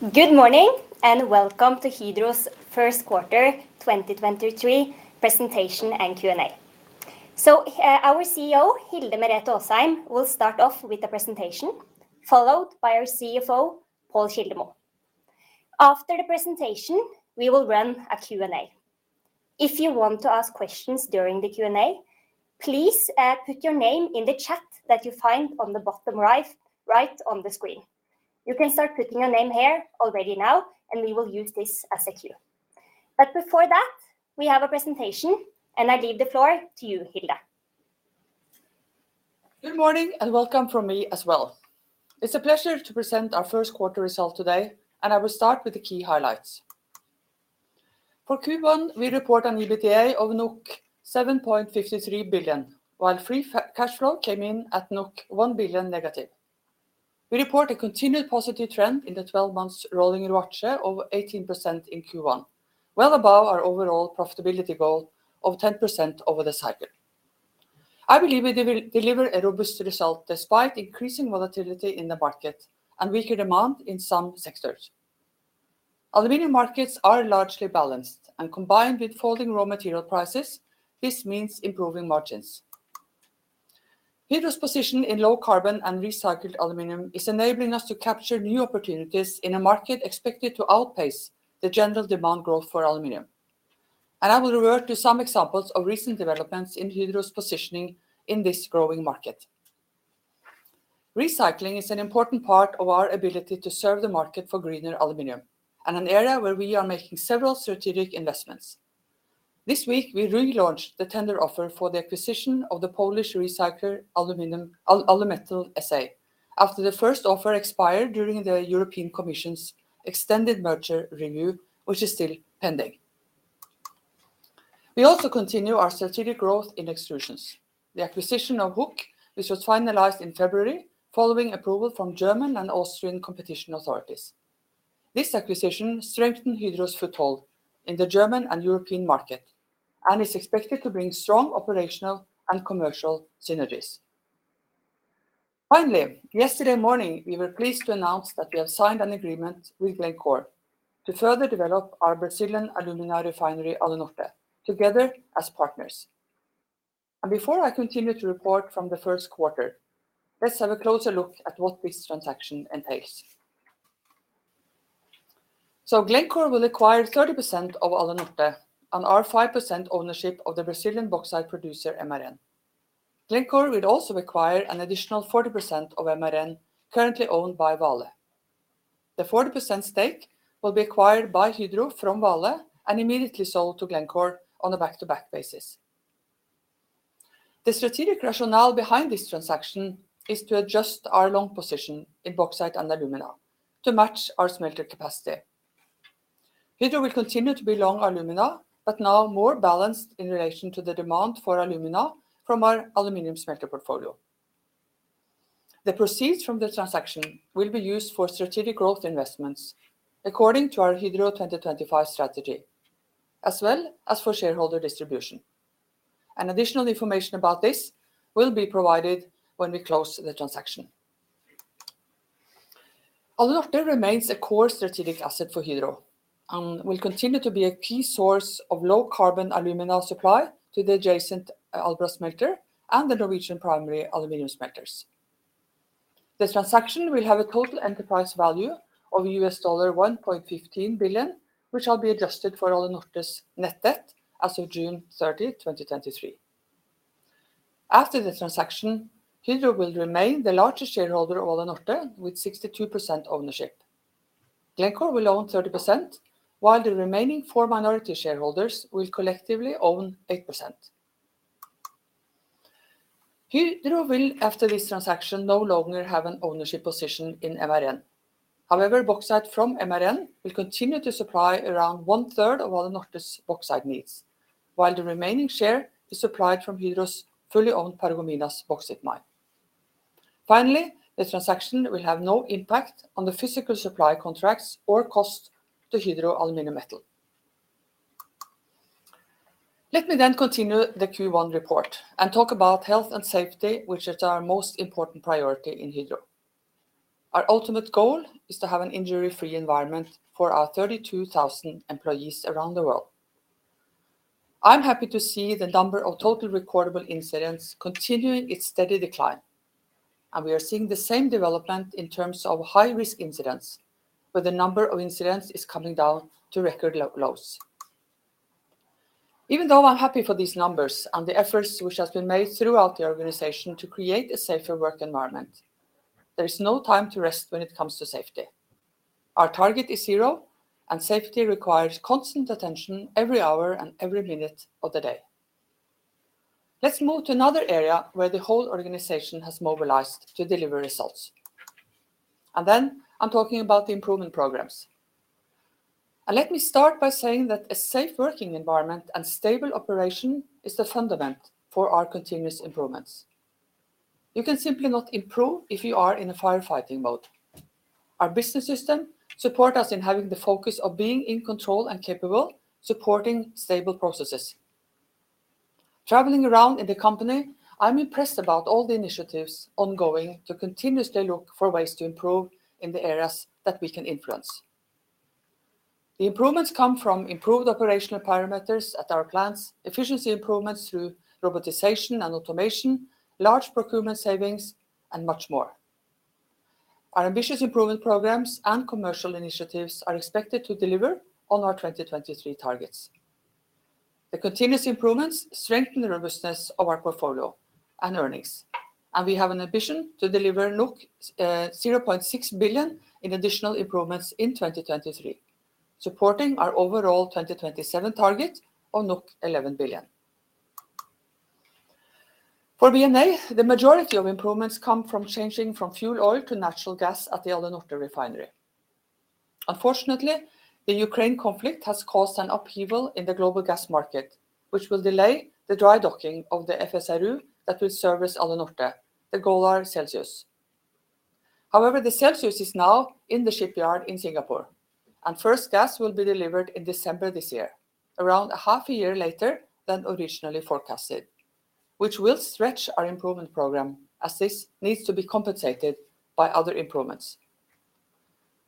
Good morning. Welcome to Hydro's first quarter 2023 presentation and Q&A. Our CEO, Hilde Merete Aasheim, will start off with a presentation, followed by our CFO, Pål Kildemo. After the presentation, we will run a Q&A. If you want to ask questions during the Q&A, please put your name in the chat that you find on the bottom right on the screen. You can start putting your name here already now, and we will use this as a queue. Before that, we have a presentation, and I leave the floor to you, Hilde. Good morning, welcome from me as well. It's a pleasure to present our first quarter result today. I will start with the key highlights. For Q1, we report an EBITDA of 7.53 billion, while free cash flow came in at 1 billion negative. We report a continued positive trend in the 12 months rolling ROACE of 18% in Q1, well above our overall profitability goal of 10% over the cycle. I believe we deliver a robust result despite increasing volatility in the market and weaker demand in some sectors. Aluminium markets are largely balanced, and combined with falling raw material prices, this means improving margins. Hydro's position in low carbon and recycled aluminium is enabling us to capture new opportunities in a market expected to outpace the general demand growth for aluminium. I will revert to some examples of recent developments in Hydro's positioning in this growing market. Recycling is an important part of our ability to serve the market for greener aluminum, and an area where we are making several strategic investments. This week, we relaunched the tender offer for the acquisition of the Polish recycler Alumetal S.A. after the first offer expired during the European Commission's extended merger review, which is still pending. We also continue our strategic growth in extrusions. The acquisition of Hueck, which was finalized in February following approval from German and Austrian competition authorities. This acquisition strengthened Hydro's foothold in the German and European market and is expected to bring strong operational and commercial synergies. Finally, yesterday morning, we were pleased to announce that we have signed an agreement with Glencore to further develop our Brazilian alumina refinery, Alunorte, together as partners. Before I continue to report from the first quarter, let's have a closer look at what this transaction entails. Glencore will acquire 30% of Alunorte and our 5% ownership of the Brazilian bauxite producer, MRN. Glencore will also acquire an additional 40% of MRN currently owned by Vale. The 40% stake will be acquired by Hydro from Vale and immediately sold to Glencore on a back-to-back basis. The strategic rationale behind this transaction is to adjust our long position in bauxite and alumina to match our smelter capacity. Hydro will continue to be long alumina, but now more balanced in relation to the demand for alumina from our aluminum smelter portfolio. The proceeds from the transaction will be used for strategic growth investments according to our Hydro 2025 strategy, as well as for shareholder distribution. Additional information about this will be provided when we close the transaction. Alunorte remains a core strategic asset for Hydro and will continue to be a key source of low-carbon alumina supply to the adjacent Albras smelter and the Norwegian primary aluminum smelters. This transaction will have a total enterprise value of $1.15 billion, which shall be adjusted for Alunorte's net debt as of June 30, 2023. After the transaction, Hydro will remain the largest shareholder of Alunorte with 62% ownership. Glencore will own 30%, while the remaining four minority shareholders will collectively own 8%. Hydro will, after this transaction, no longer have an ownership position in MRN. However, bauxite from MRN will continue to supply around one-third of Alunorte's bauxite needs, while the remaining share is supplied from Hydro's fully owned Paragominas bauxite mine. The transaction will have no impact on the physical supply contracts or cost to Hydro Aluminium Metal. Let me then continue the Q1 report and talk about health and safety, which is our most important priority in Hydro. Our ultimate goal is to have an injury-free environment for our 32,000 employees around the world. I'm happy to see the number of total recordable incidents continuing its steady decline, and we are seeing the same development in terms of high-risk incidents, where the number of incidents is coming down to record lows. Even though I'm happy for these numbers and the efforts which has been made throughout the organization to create a safer work environment, there is no time to rest when it comes to safety. Our target is zero, and safety requires constant attention every hour and every minute of the day. Let's move to another area where the whole organization has mobilized to deliver results. I'm talking about the improvement programs. Let me start by saying that a safe working environment and stable operation is the fundament for our continuous improvements. You can simply not improve if you are in a firefighting mode. Our business system support us in having the focus of being in control and capable, supporting stable processes. Traveling around in the company, I'm impressed about all the initiatives ongoing to continuously look for ways to improve in the areas that we can influence. The improvements come from improved operational parameters at our plants, efficiency improvements through robotization and automation, large procurement savings, and much more. Our ambitious improvement programs and commercial initiatives are expected to deliver on our 2023 targets. The continuous improvements strengthen the robustness of our portfolio and earnings, and we have an ambition to deliver 0.6 billion in additional improvements in 2023, supporting our overall 2027 target of 11 billion. For BNA, the majority of improvements come from changing from fuel oil to natural gas at the Alunorte refinery. Unfortunately, the Ukraine conflict has caused an upheaval in the global gas market, which will delay the dry docking of the FSRU that will service Alunorte, the Golar Celsius. However, the Celsius is now in the shipyard in Singapore, and first gas will be delivered in December this year, around a half a year later than originally forecasted, which will stretch our improvement program as this needs to be compensated by other improvements.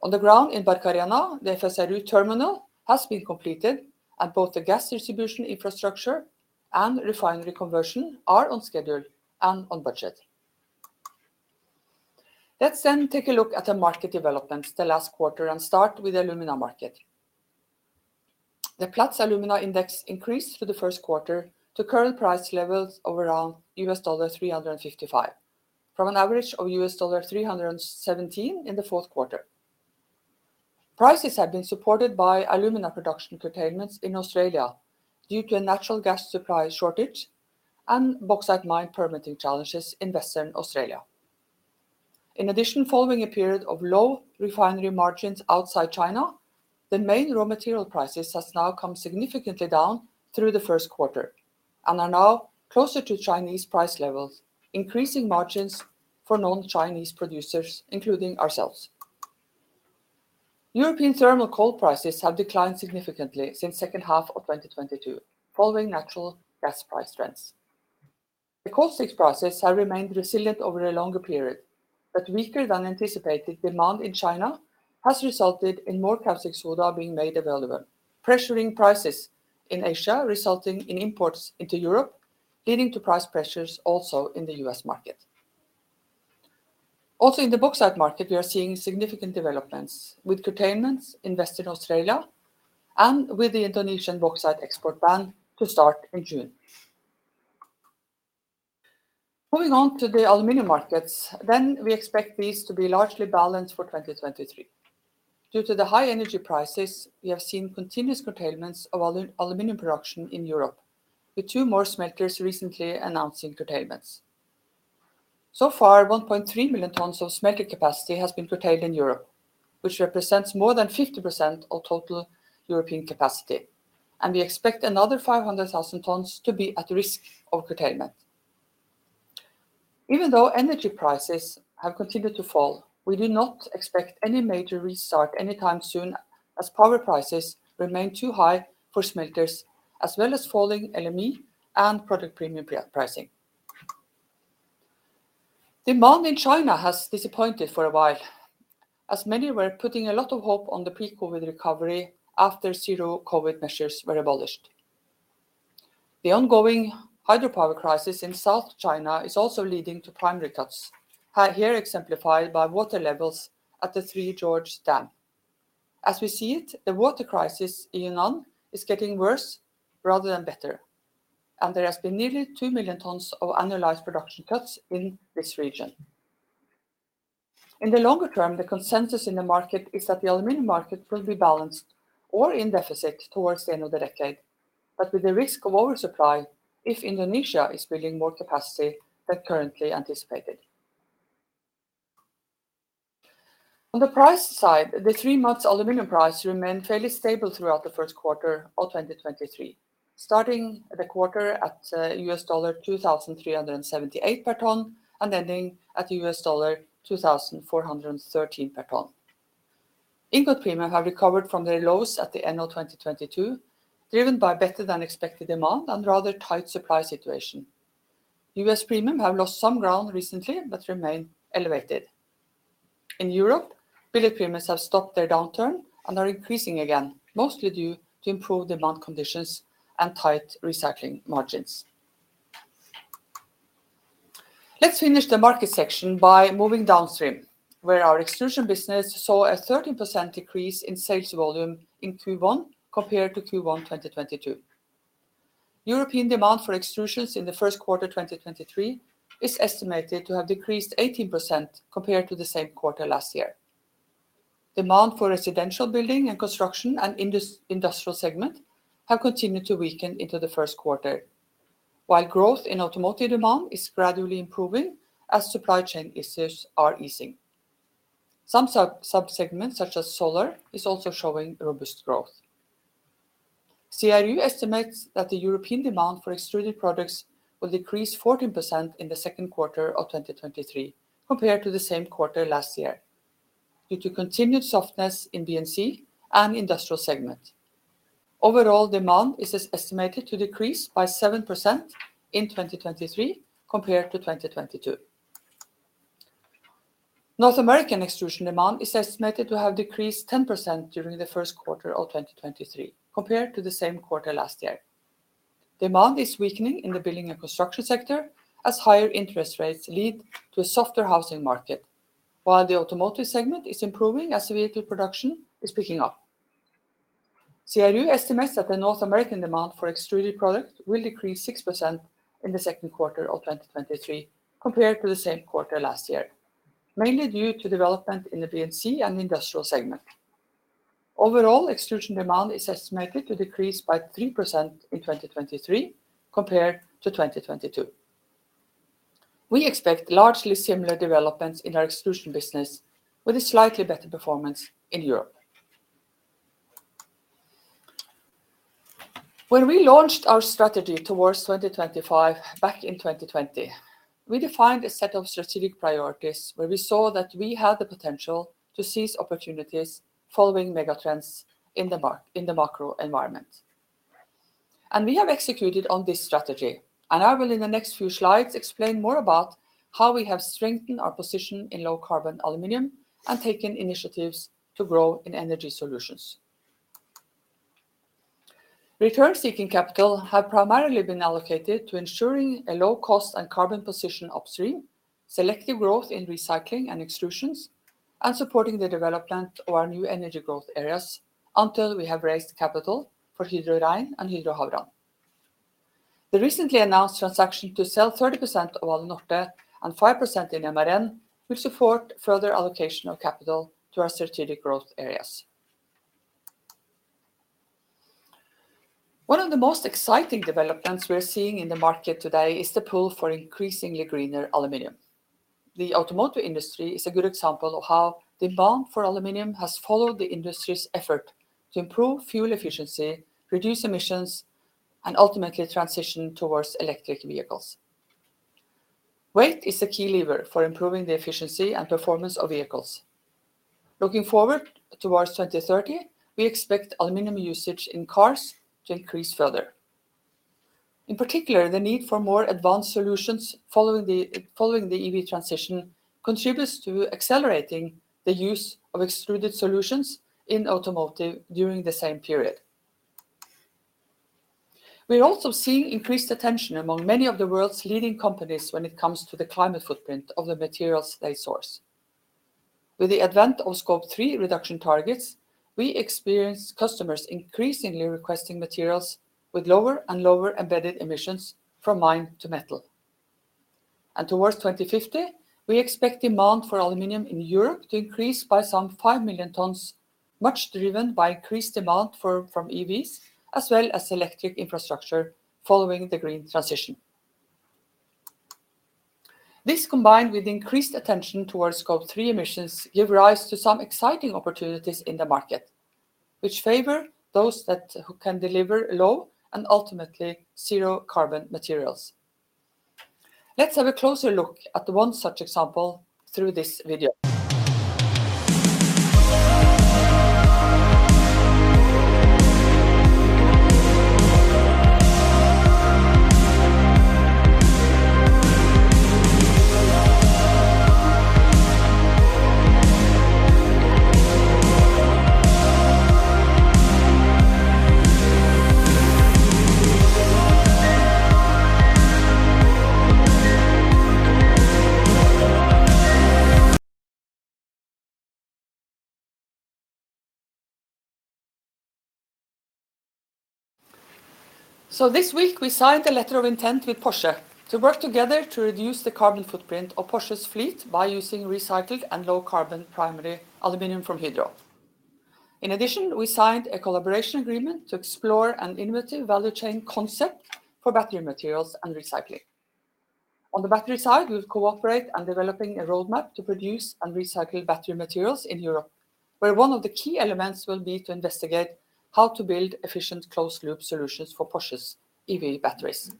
On the ground in Barcarena, the FSRU terminal has been completed, and both the gas distribution infrastructure and refinery conversion are on schedule and on budget. Let's take a look at the market developments the last quarter and start with the alumina market. The Platts Alumina Index increased through the first quarter to current price levels of around $355 from an average of $317 in the fourth quarter. Prices have been supported by alumina production curtailments in Australia due to a natural gas supply shortage and bauxite mine permitting challenges in Western Australia. Following a period of low refinery margins outside China, the main raw material prices has now come significantly down through the first quarter and are now closer to Chinese price levels, increasing margins for non-Chinese producers, including ourselves. European thermal coal prices have declined significantly since second half of 2022 following natural gas price trends. The coal sticks prices have remained resilient over a longer period, weaker than anticipated demand in China has resulted in more caustic soda being made available, pressuring prices in Asia, resulting in imports into Europe, leading to price pressures also in the US market. In the bauxite market, we are seeing significant developments with curtailments in Western Australia and with the Indonesian bauxite export ban to start in June. Moving on to the aluminum markets, we expect these to be largely balanced for 2023. Due to the high energy prices, we have seen continuous curtailments of aluminum production in Europe, with two more smelters recently announcing curtailments. Far, 1.3 million tons of smelter capacity has been curtailed in Europe, which represents more than 50% of total European capacity. We expect another 500,000 tons to be at risk of curtailment. Even though energy prices have continued to fall, we do not expect any major restart anytime soon as power prices remain too high for smelters, as well as falling LME and product premium pricing. Demand in China has disappointed for a while, as many were putting a lot of hope on the pre-COVID recovery after zero-COVID measures were abolished. The ongoing hydropower crisis in South China is also leading to primary cuts, here exemplified by water levels at the Three Gorges Dam. As we see it, the water crisis in Yunnan is getting worse rather than better. There has been nearly 2 million tons of annualized production cuts in this region. In the longer term, the consensus in the market is that the aluminum market will be balanced or in deficit towards the end of the decade, with the risk of oversupply if Indonesia is building more capacity than currently anticipated. On the price side, the 3 months aluminum price remained fairly stable throughout the first quarter of 2023, starting the quarter at $2,378 per ton and ending at $2,413 per ton. Ingot premium have recovered from their lows at the end of 2022, driven by better than expected demand and rather tight supply situation. U.S. premium have lost some ground recently but remain elevated. In Europe, billet premiums have stopped their downturn and are increasing again, mostly due to improved demand conditions and tight recycling margins. Let's finish the market section by moving downstream, where our Extrusions business saw a 13% decrease in sales volume in Q1 compared to Q1, 2022. European demand for Extrusions in the first quarter, 2023 is estimated to have decreased 18% compared to the same quarter last year. Demand for residential building and construction and industrial segment have continued to weaken into the first quarter, while growth in automotive demand is gradually improving as supply chain issues are easing. Some subsegments, such as solar, is also showing robust growth. CRU estimates that the European demand for extruded products will decrease 14% in the second quarter of 2023 compared to the same quarter last year. Due to continued softness in B&C and industrial segment. Overall demand is estimated to decrease by 7% in 2023 compared to 2022. North American extrusion demand is estimated to have decreased 10% during the first quarter of 2023 compared to the same quarter last year. Demand is weakening in the building and construction sector as higher interest rates lead to a softer housing market, while the automotive segment is improving as vehicle production is picking up. CRU estimates that the North American demand for extruded products will decrease 6% in the second quarter of 2023 compared to the same quarter last year, mainly due to development in the B&C and industrial segment. Overall, extrusion demand is estimated to decrease by 3% in 2023 compared to 2022. We expect largely similar developments in our extrusion business, with a slightly better performance in Europe. When we launched our strategy towards 2025 back in 2020, we defined a set of strategic priorities where we saw that we had the potential to seize opportunities following megatrends in the macro environment. We have executed on this strategy, and I will in the next few slides explain more about how we have strengthened our position in low-carbon aluminum and taken initiatives to grow in energy solutions. Return-seeking capital have primarily been allocated to ensuring a low-cost and carbon position upstream, selective growth in recycling and extrusions, and supporting the development of our new energy growth areas until we have raised capital for Hydro Rein and Hydro Havrand. The recently announced transaction to sell 30% of Alunorte and 5% in MRN will support further allocation of capital to our strategic growth areas. One of the most exciting developments we are seeing in the market today is the pull for increasingly greener aluminum. The automotive industry is a good example of how demand for aluminum has followed the industry's effort to improve fuel efficiency, reduce emissions, and ultimately transition towards electric vehicles. Weight is a key lever for improving the efficiency and performance of vehicles. Looking forward towards 2030, we expect aluminum usage in cars to increase further. In particular, the need for more advanced solutions following the EV transition contributes to accelerating the use of extruded solutions in automotive during the same period. We are also seeing increased attention among many of the world's leading companies when it comes to the climate footprint of the materials they source. With the advent of Scope 3 reduction targets, we experience customers increasingly requesting materials with lower and lower embedded emissions from mine to metal. Towards 2050, we expect demand for aluminium in Europe to increase by some 5 million tons, much driven by increased demand from EVs as well as electric infrastructure following the green transition. This, combined with increased attention towards Scope 3 emissions, give rise to some exciting opportunities in the market, which favor those who can deliver low and ultimately zero carbon materials. Let's have a closer look at one such example through this video. This week we signed a letter of intent with Porsche to work together to reduce the carbon footprint of Porsche's fleet by using recycled and low carbon primary aluminum from Hydro. In addition, we signed a collaboration agreement to explore an innovative value chain concept for battery materials and recycling. On the battery side, we'll cooperate on developing a roadmap to produce and recycle battery materials in Europe, where one of the key elements will be to investigate how to build efficient closed loop solutions for Porsche's EV batteries.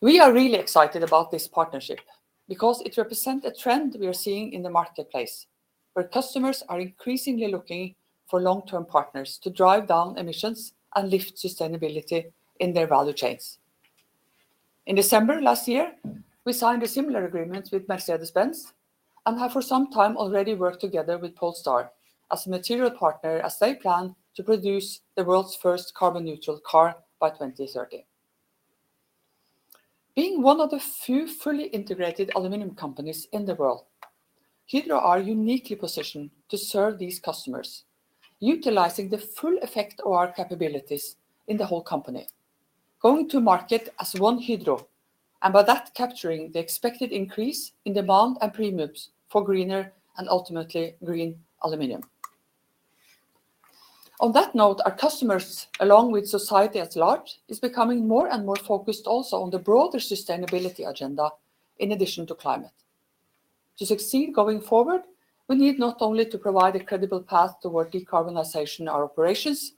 We are really excited about this partnership because it represents a trend we are seeing in the marketplace, where customers are increasingly looking for long-term partners to drive down emissions and lift sustainability in their value chains. In December last year, we signed a similar agreement with Mercedes-Benz and have for some time already worked together with Polestar as a material partner as they plan to produce the world's first carbon neutral car by 2030. Being one of the few fully integrated aluminum companies in the world, Hydro are uniquely positioned to serve these customers, utilizing the full effect of our capabilities in the whole company, going to market as one Hydro, and by that, capturing the expected increase in demand and premiums for greener and ultimately green aluminum. On that note, our customers, along with society at large, is becoming more and more focused also on the broader sustainability agenda in addition to climate. To succeed going forward, we need not only to provide a credible path toward decarbonization in our operations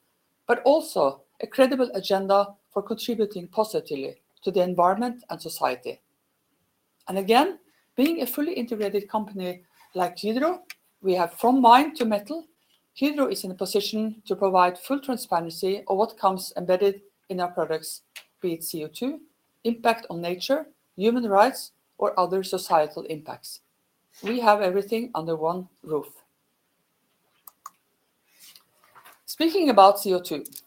but also a credible agenda for contributing positively to the environment and society. Again, being a fully integrated company like Hydro, we have from mine to metal. Hydro is in a position to provide full transparency of what comes embedded in our products, be it CO2, impact on nature, human rights, or other societal impacts. We have everything under one roof. Speaking about CO2,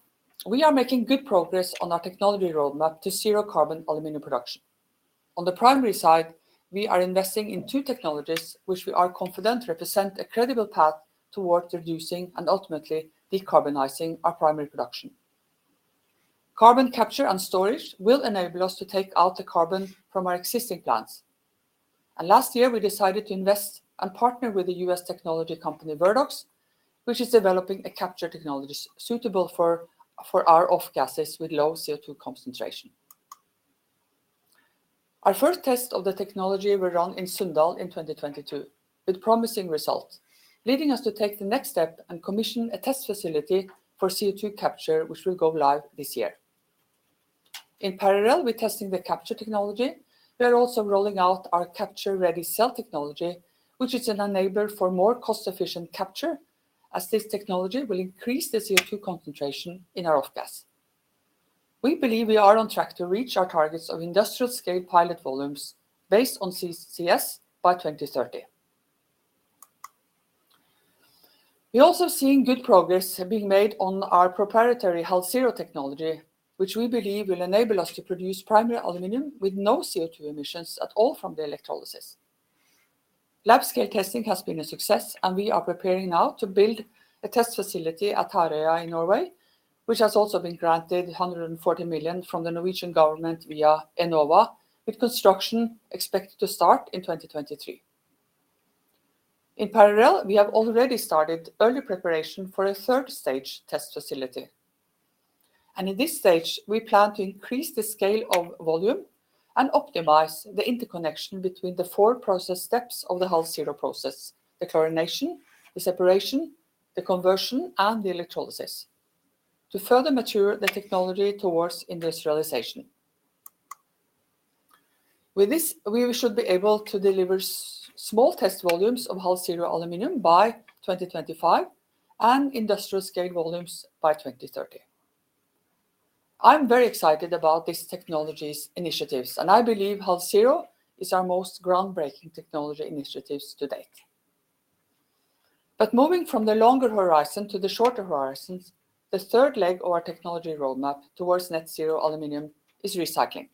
we are making good progress on our technology roadmap to zero carbon aluminum production. On the primary side, we are investing in two technologies which we are confident represent a credible path towards reducing and ultimately decarbonizing our primary production. Carbon capture and storage will enable us to take out the carbon from our existing plants. Last year, we decided to invest and partner with the US technology company Verdox, which is developing a capture technology suitable for our off-gases with low CO2 concentration. Our first test of the technology were run in Sunndal in 2022, with promising results, leading us to take the next step and commission a test facility for CO2 capture which will go live this year. In parallel with testing the capture technology, we are also rolling out our capture-ready cell technology, which is an enabler for more cost-efficient capture, as this technology will increase the CO2 concentration in our off gas. We believe we are on track to reach our targets of industrial scale pilot volumes based on CCS by 2030. We're also seeing good progress being made on our proprietary HalZero technology, which we believe will enable us to produce primary aluminum with no CO2 emissions at all from the electrolysis. Lab-scale testing has been a success. We are preparing now to build a test facility at Herøya in Norway, which has also been granted 140 million from the Norwegian government via Enova, with construction expected to start in 2023. In parallel, we have already started early preparation for a third stage test facility. In this stage, we plan to increase the scale of volume and optimize the interconnection between the four process steps of the HalZero process, the chlorination, the separation, the conversion, and the electrolysis, to further mature the technology towards industrialization. With this, we should be able to deliver small test volumes of HalZero aluminum by 2025, and industrial scale volumes by 2030. I'm very excited about these technologies initiatives, and I believe HalZero is our most groundbreaking technology initiatives to date. Moving from the longer horizon to the shorter horizons, the third leg of our technology roadmap towards net zero aluminum is recycling.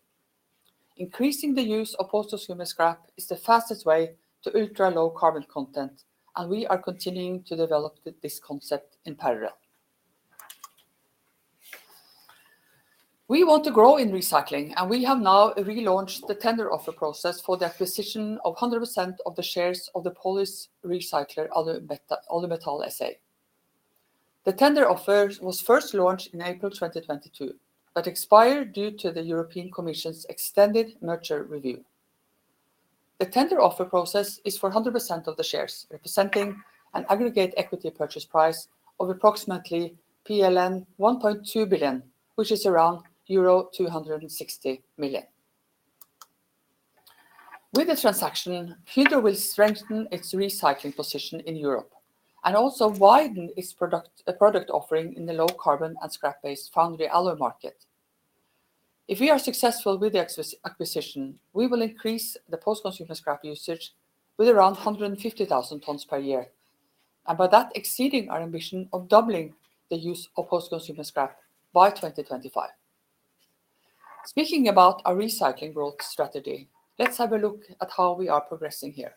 Increasing the use of post-consumer scrap is the fastest way to ultra-low carbon content, and we are continuing to develop this concept in parallel. We want to grow in recycling, and we have now relaunched the tender offer process for the acquisition of 100% of the shares of the Polish recycler, Alumetal S.A. The tender offer was first launched in April 2022, but expired due to the European Commission's extended merger review. The tender offer process is for 100% of the shares, representing an aggregate equity purchase price of approximately PLN 1.2 billion, which is around euro 260 million. With the transaction, Hydro will strengthen its recycling position in Europe and also widen its product offering in the low carbon and scrap-based foundry alloy market. If we are successful with the acquisition, we will increase the post-consumer scrap usage with around 150,000 tons per year, and by that, exceeding our ambition of doubling the use of post-consumer scrap by 2025. Speaking about our recycling growth strategy, let's have a look at how we are progressing here.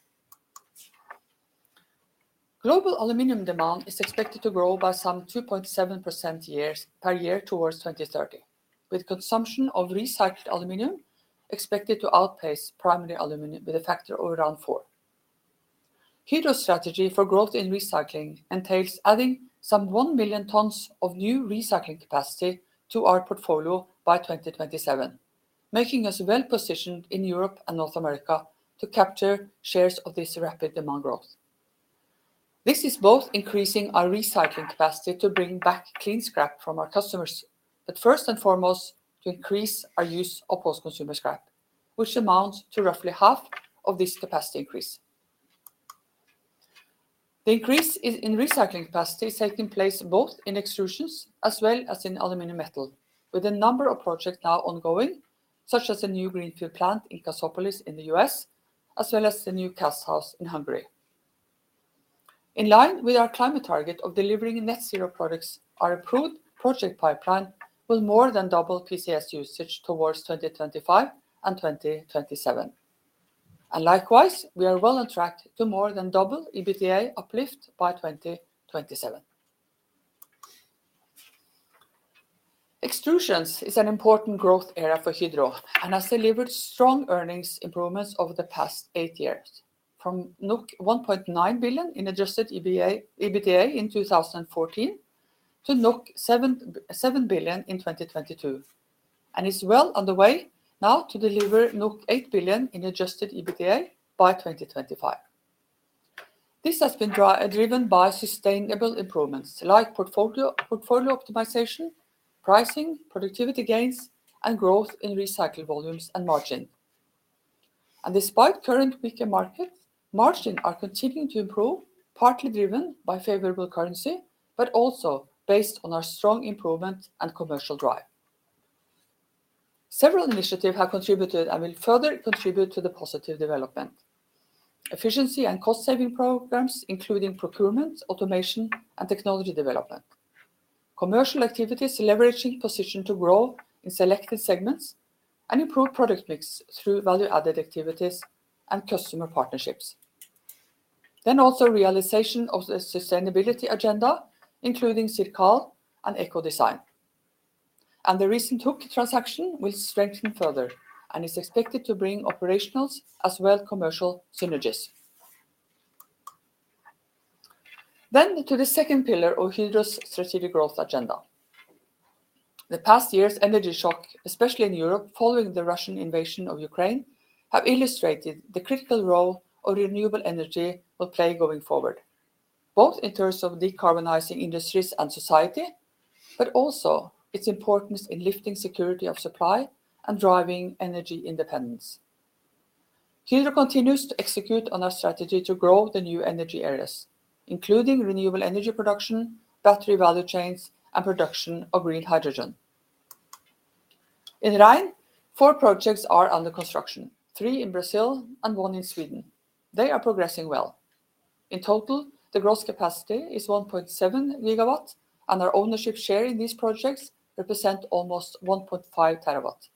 Global aluminum demand is expected to grow by some 2.7% per year towards 2030, with consumption of recycled aluminum expected to outpace primary aluminum with a factor of around 4. Hydro's strategy for growth in recycling entails adding some 1 million tons of new recycling capacity to our portfolio by 2027, making us well-positioned in Europe and North America to capture shares of this rapid demand growth. This is both increasing our recycling capacity to bring back clean scrap from our customers, first and foremost, to increase our use of post-consumer scrap, which amounts to roughly half of this capacity increase. The increase in recycling capacity is taking place both in Extrusions as well as in Aluminium Metal, with a number of projects now ongoing, such as a new greenfield plant in Cassopolis in the U.S., as well as the new cast house in Hungary. In line with our climate target of delivering net zero products, our approved project pipeline will more than double PCS usage towards 2025 and 2027. Likewise, we are well on track to more than double EBITDA uplift by 2027. Extrusions is an important growth area for Hydro and has delivered strong earnings improvements over the past eight years, from 1.9 billion in adjusted EBITDA in 2014-NOK 7.7 billion in 2022, and is well on the way now to deliver 8 billion in adjusted EBITDA by 2025. This has been driven by sustainable improvements like portfolio optimization, pricing, productivity gains, and growth in recycled volumes and margin. Despite current weaker markets, margin are continuing to improve, partly driven by favorable currency, but also based on our strong improvement and commercial drive. Several initiatives have contributed and will further contribute to the positive development. Efficiency and cost-saving programs, including procurement, automation, and technology development. Commercial activities leveraging position to grow in selected segments and improve product mix through value-added activities and customer partnerships. Also realization of the sustainability agenda, including CIRCAL and EcoDesign. The recent Hueck transaction will strengthen further and is expected to bring operationals as well commercial synergies. To the second pillar of Hydro's strategic growth agenda. The past year's energy shock, especially in Europe, following the Russian invasion of Ukraine, have illustrated the critical role of renewable energy will play going forward, both in terms of decarbonizing industries and society, but also its importance in lifting security of supply and driving energy independence. Hydro continues to execute on our strategy to grow the new energy areas, including renewable energy production, battery value chains, and production of green hydrogen. In Hydro Rein, four projects are under construction, three in Brazil and one in Sweden. They are progressing well. In total, the gross capacity is 1.7 gigawatts, and our ownership share in these projects represent almost 1.5 terawatts.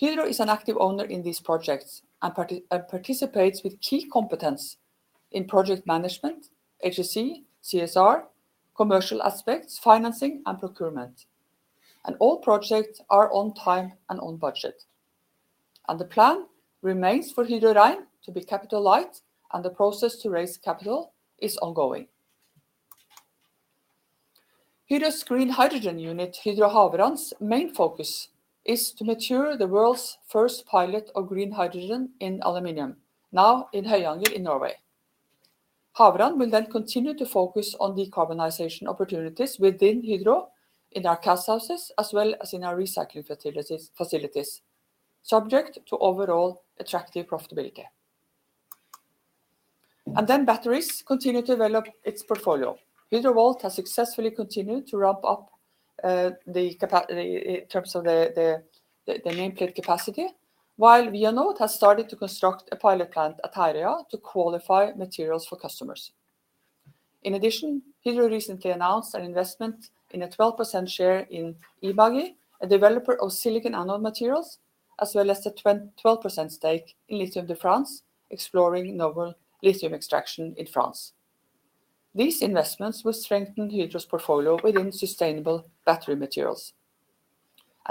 Hydro is an active owner in these projects and participates with key competence in project management, HSE, CSR, commercial aspects, financing, and procurement. All projects are on time and on budget. The plan remains for Hydro Rein to be capital light, and the process to raise capital is ongoing. Hydro's green hydrogen unit, Hydro Havrand's main focus, is to mature the world's first pilot of green hydrogen in aluminum, now in Høyanger in Norway. Havrand will then continue to focus on decarbonization opportunities within Hydro in our cast houses, as well as in our recycling facilities, subject to overall attractive profitability. Batteries continue to develop its portfolio. Hydrovolt has successfully continued to ramp up the nameplate capacity, while Vianode has started to construct a pilot plant at Herøya to qualify materials for customers. In addition, Hydro recently announced an investment in a 12% share in Emagi, a developer of silicon anode materials, as well as a 12% stake in Lithium de France, exploring novel lithium extraction in France. These investments will strengthen Hydro's portfolio within sustainable battery materials.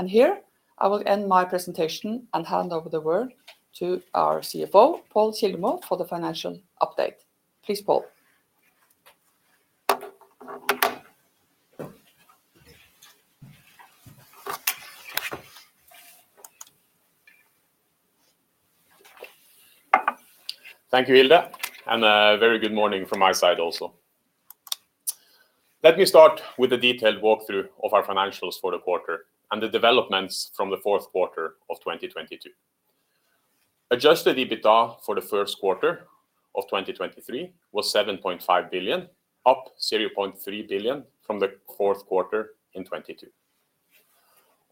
Here I will end my presentation and hand over the word to our CFO, Pål Kildemo, for the financial update. Please, Pål. Thank you, Hilde. A very good morning from my side also. Let me start with a detailed walkthrough of our financials for the quarter and the developments from the fourth quarter of 2022. Adjusted EBITDA for the first quarter of 2023 was 7.5 billion, up 0.3 billion from the fourth quarter in 2022.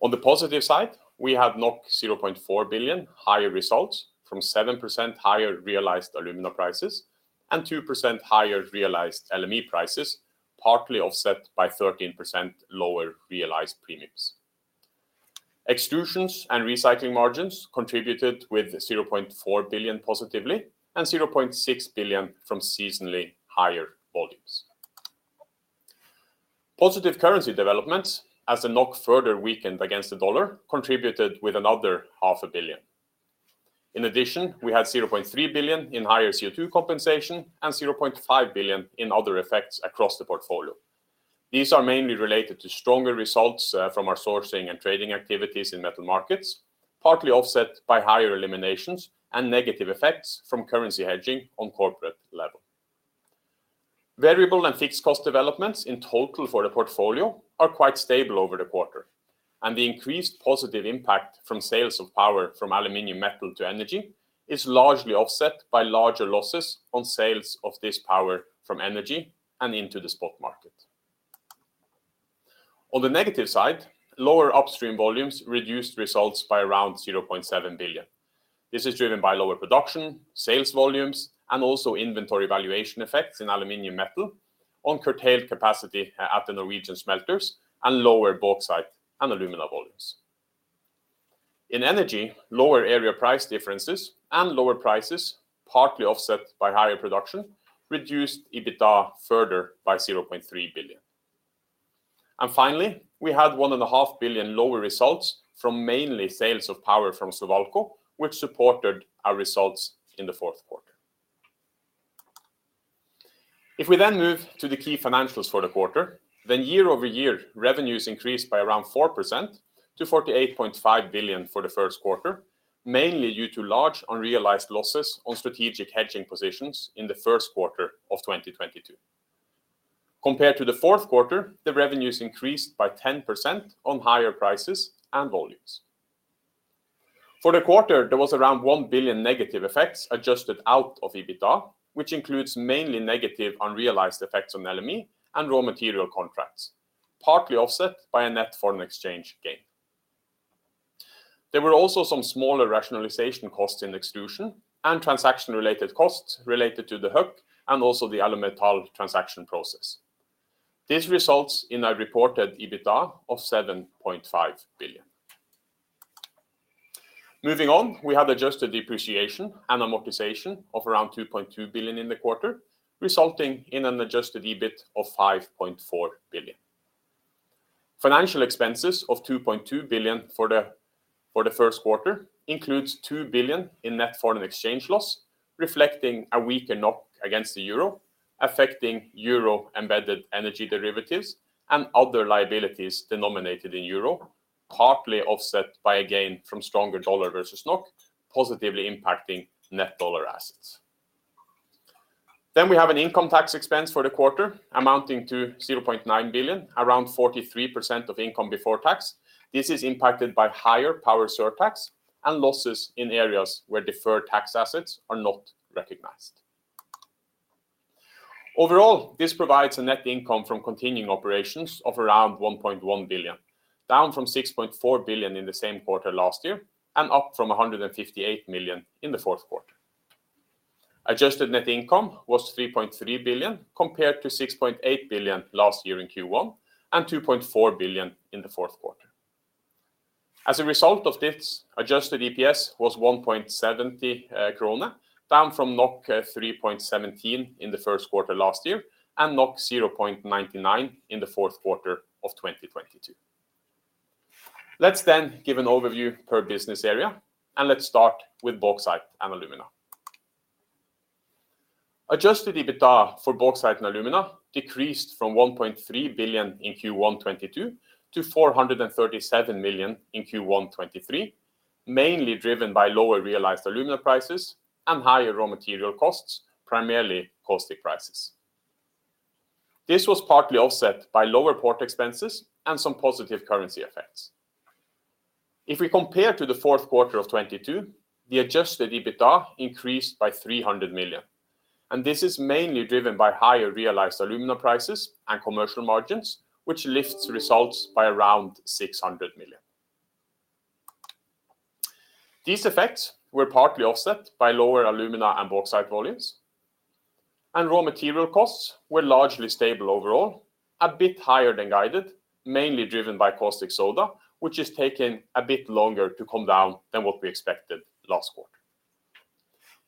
On the positive side, we had 0.4 billion higher results from 7% higher realized alumina prices and 2% higher realized LME prices, partly offset by 13% lower realized premiums. Extrusions and recycling margins contributed with 0.4 billion positively and 0.6 billion from seasonally higher volumes. Positive currency developments, as the NOK further weakened against the dollar, contributed with another half a billion. In addition, we had 0.3 billion in higher CO2 compensation and 0.5 billion in other effects across the portfolio. These are mainly related to stronger results from our sourcing and trading activities in Metal Markets, partly offset by higher eliminations and negative effects from currency hedging on corporate level. Variable and fixed cost developments in total for the portfolio are quite stable over the quarter, the increased positive impact from sales of power from Aluminium Metal to Energy is largely offset by larger losses on sales of this power from Energy and into the spot market. On the negative side, lower upstream volumes reduced results by around 0.7 billion. This is driven by lower production, sales volumes, and also inventory valuation effects in Aluminium Metal on curtailed capacity at the Norwegian smelters and lower bauxite and alumina volumes. Energy, lower area price differences and lower prices, partly offset by higher production, reduced EBITDA further by 0.3 billion. Finally, we had one and a half billion lower results from mainly sales of power from Slovalco, which supported our results in the fourth quarter. If we then move to the key financials for the quarter, then year-over-year revenues increased by around 4% to 48.5 billion for the first quarter, mainly due to large unrealized losses on strategic hedging positions in the first quarter of 2022. Compared to the fourth quarter, the revenues increased by 10% on higher prices and volumes. For the quarter, there was around 1 billion negative effects adjusted out of EBITDA, which includes mainly negative unrealized effects on LME and raw material contracts, partly offset by a net foreign exchange gain. There were also some smaller rationalization costs in Extrusions and transaction-related costs related to the Hueck and also the Alumetal transaction process. This results in a reported EBITDA of 7.5 billion. Moving on, we have adjusted depreciation and amortization of around 2.2 billion in the quarter, resulting in an adjusted EBIT of 5.4 billion. Financial expenses of 2.2 billion for the first quarter includes 2 billion in net foreign exchange loss, reflecting a weaker NOK against the EUR, affecting EUR-embedded energy derivatives and other liabilities denominated in EUR, partly offset by a gain from stronger USD versus NOK, positively impacting net USD assets. We have an income tax expense for the quarter amounting to 0.9 billion, around 43% of income before tax. This is impacted by higher power surtax and losses in areas where deferred tax assets are not recognized. Overall, this provides a net income from continuing operations of around 1.1 billion, down from 6.4 billion in the same quarter last year and up from 158 million in the fourth quarter. Adjusted net income was 3.3 billion compared to 6.8 billion last year in Q1 and 2.4 billion in the fourth quarter. As a result of this, adjusted EPS was 1.70 krone, down from 3.17 in the first quarter last year and 0.99 in the fourth quarter of 2022. Give an overview per business area. Let's start with Bauxite & Alumina. Adjusted EBITDA for Bauxite & Alumina decreased from 1.3 billion in Q1 2022-NOK 437 million in Q1 2023, mainly driven by lower realized alumina prices and higher raw material costs, primarily caustic prices. This was partly offset by lower port expenses and some positive currency effects. If we compare to the fourth quarter of 2022, the Adjusted EBITDA increased by 300 million. This is mainly driven by higher realized alumina prices and commercial margins, which lifts results by around 600 million. These effects were partly offset by lower alumina and bauxite volumes. Raw material costs were largely stable overall, a bit higher than guided, mainly driven by caustic soda, which has taken a bit longer to come down than what we expected last quarter.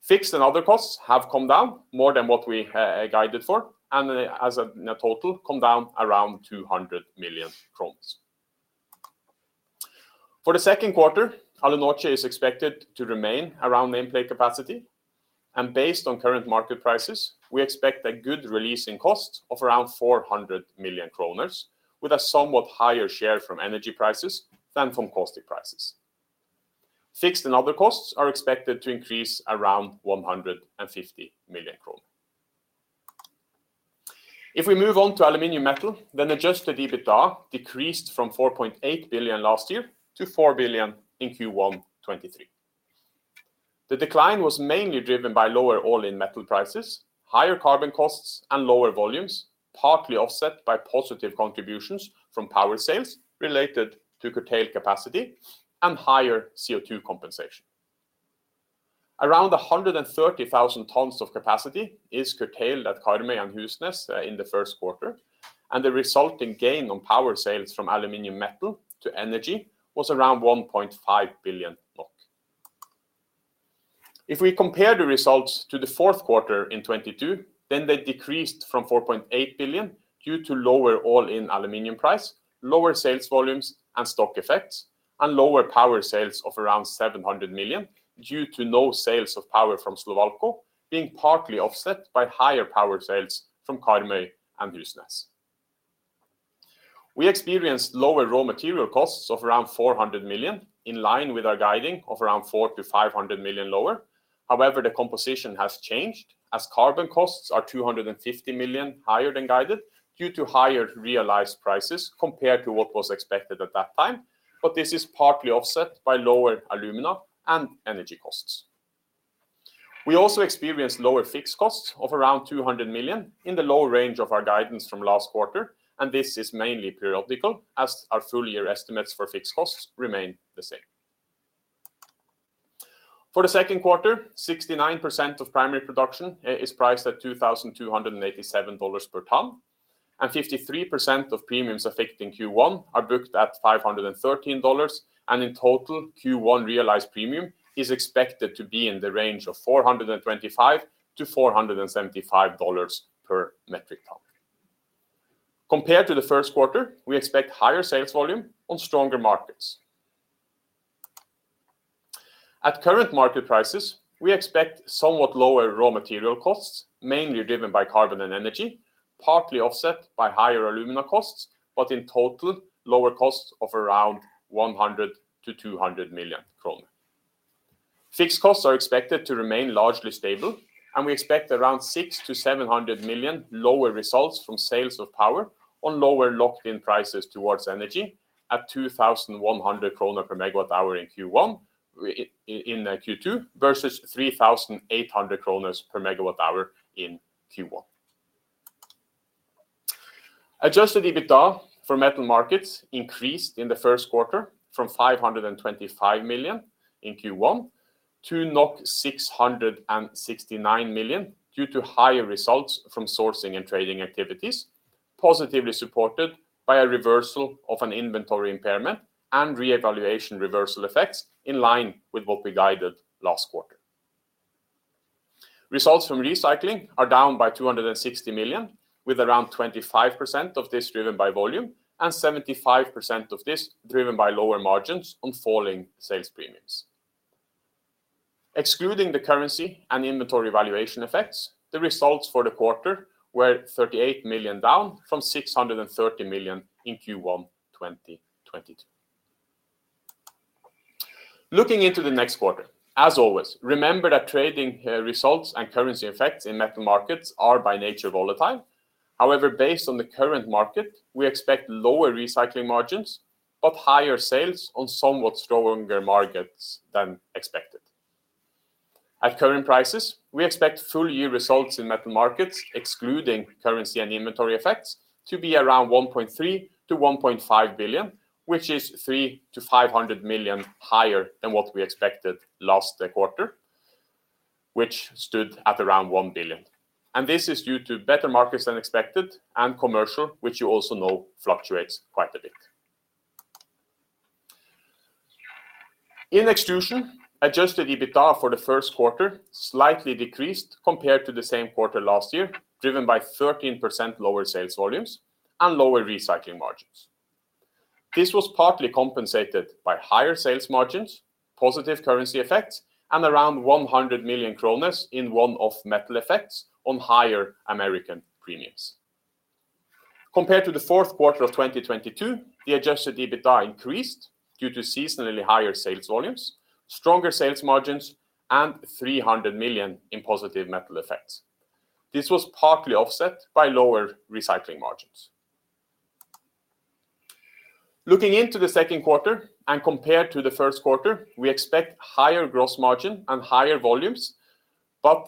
Fixed and other costs have come down more than what we guided for. As a total, come down around 200 million crowns. For the second quarter, Alunorte is expected to remain around nameplate capacity. Based on current market prices, we expect a good release in cost of around 400 million kroner with a somewhat higher share from energy prices than from caustic prices. Fixed and other costs are expected to increase around 150 million. If we move on to Aluminium Metal, adjusted EBITDA decreased from 4.8 billion last year to 4 billion in Q1 2023. The decline was mainly driven by lower all-in metal prices, higher carbon costs, and lower volumes, partly offset by positive contributions from power sales related to curtailed capacity and higher CO2 compensation. Around 130,000 tons of capacity is curtailed at Karmøy and Husnes in the first quarter, and the resulting gain on power sales from Aluminium Metal to Energy was around 1.5 billion. If we compare the results to Q4 2022, then they decreased from 4.8 billion due to lower all-in aluminum price, lower sales volumes and stock effects, and lower power sales of around 700 million due to no sales of power from Slovalco being partly offset by higher power sales from Karmøy and Husnes. We experienced lower raw material costs of around 400 million, in line with our guiding of around 400 million-500 million lower. However, the composition has changed as carbon costs are $250 million higher than guided due to higher realized prices compared to what was expected at that time. This is partly offset by lower alumina and energy costs. We also experienced lower fixed costs of around $200 million in the low range of our guidance from last quarter, and this is mainly periodical as our full year estimates for fixed costs remain the same. For the second quarter, 69% of primary production is priced at $2,287 per ton, and 53% of premiums affecting Q1 are booked at $513, and in total, Q1 realized premium is expected to be in the range of $425-$475 per metric ton. Compared to the first quarter, we expect higher sales volume on stronger markets. At current market prices, we expect somewhat lower raw material costs, mainly driven by carbon and energy, partly offset by higher alumina costs, but in total, lower costs of around 100 million-200 million kroner. Fixed costs are expected to remain largely stable, and we expect around 600 million-700 million lower results from sales of power on lower locked in prices towards energy at 2,100 krone per megawatt-hour in Q2, versus 3,800 kroner per megawatt-hour in Q1. Adjusted EBITDA for Metal Markets increased in the first quarter from 525 million in Q1 to 669 million due to higher results from sourcing and trading activities, positively supported by a reversal of an inventory impairment and reevaluation reversal effects in line with what we guided last quarter. Results from recycling are down by 260 million, with around 25% of this driven by volume and 75% of this driven by lower margins on falling sales premiums. Excluding the currency and inventory valuation effects, the results for the quarter were 38 million down from 630 million in Q1 2022. Looking into the next quarter, as always, remember that trading results and currency effects in Metal Markets are by nature volatile. Based on the current market, we expect lower recycling margins but higher sales on somewhat stronger markets than expected. At current prices, we expect full year results in Metal Markets, excluding currency and inventory effects, to be around 1.3 billion-1.5 billion, which is 300 million-500 million higher than what we expected last quarter, which stood at around 1 billion. This is due to better markets than expected and commercial, which you know also fluctuates quite a bit. In Extrusions, adjusted EBITDA for the first quarter slightly decreased compared to the same quarter last year, driven by 13% lower sales volumes and lower recycling margins. This was partly compensated by higher sales margins, positive currency effects, and around 100 million kroner in one-off metal effects on higher American premiums. Compared to the fourth quarter of 2022, the adjusted EBITDA increased due to seasonally higher sales volumes, stronger sales margins, and 300 million in positive metal effects. This was partly offset by lower recycling margins. Looking into the second quarter and compared to the first quarter, we expect higher gross margin and higher volumes.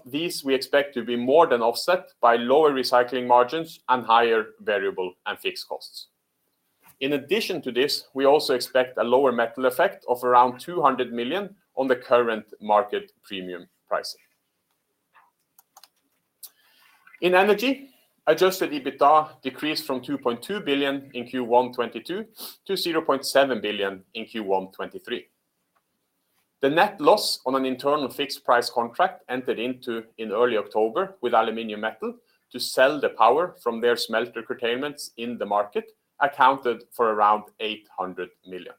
These we expect to be more than offset by lower recycling margins and higher variable and fixed costs. In addition to this, we also expect a lower metal effect of around 200 million on the current market premium pricing. In Energy, adjusted EBITDA decreased from 2.2 billion in Q1 2022-NOK 0.7 billion in Q1 2023. The net loss on an internal fixed price contract entered into in early October with Aluminium Metal to sell the power from their smelter curtailments in the market accounted for around 800 million.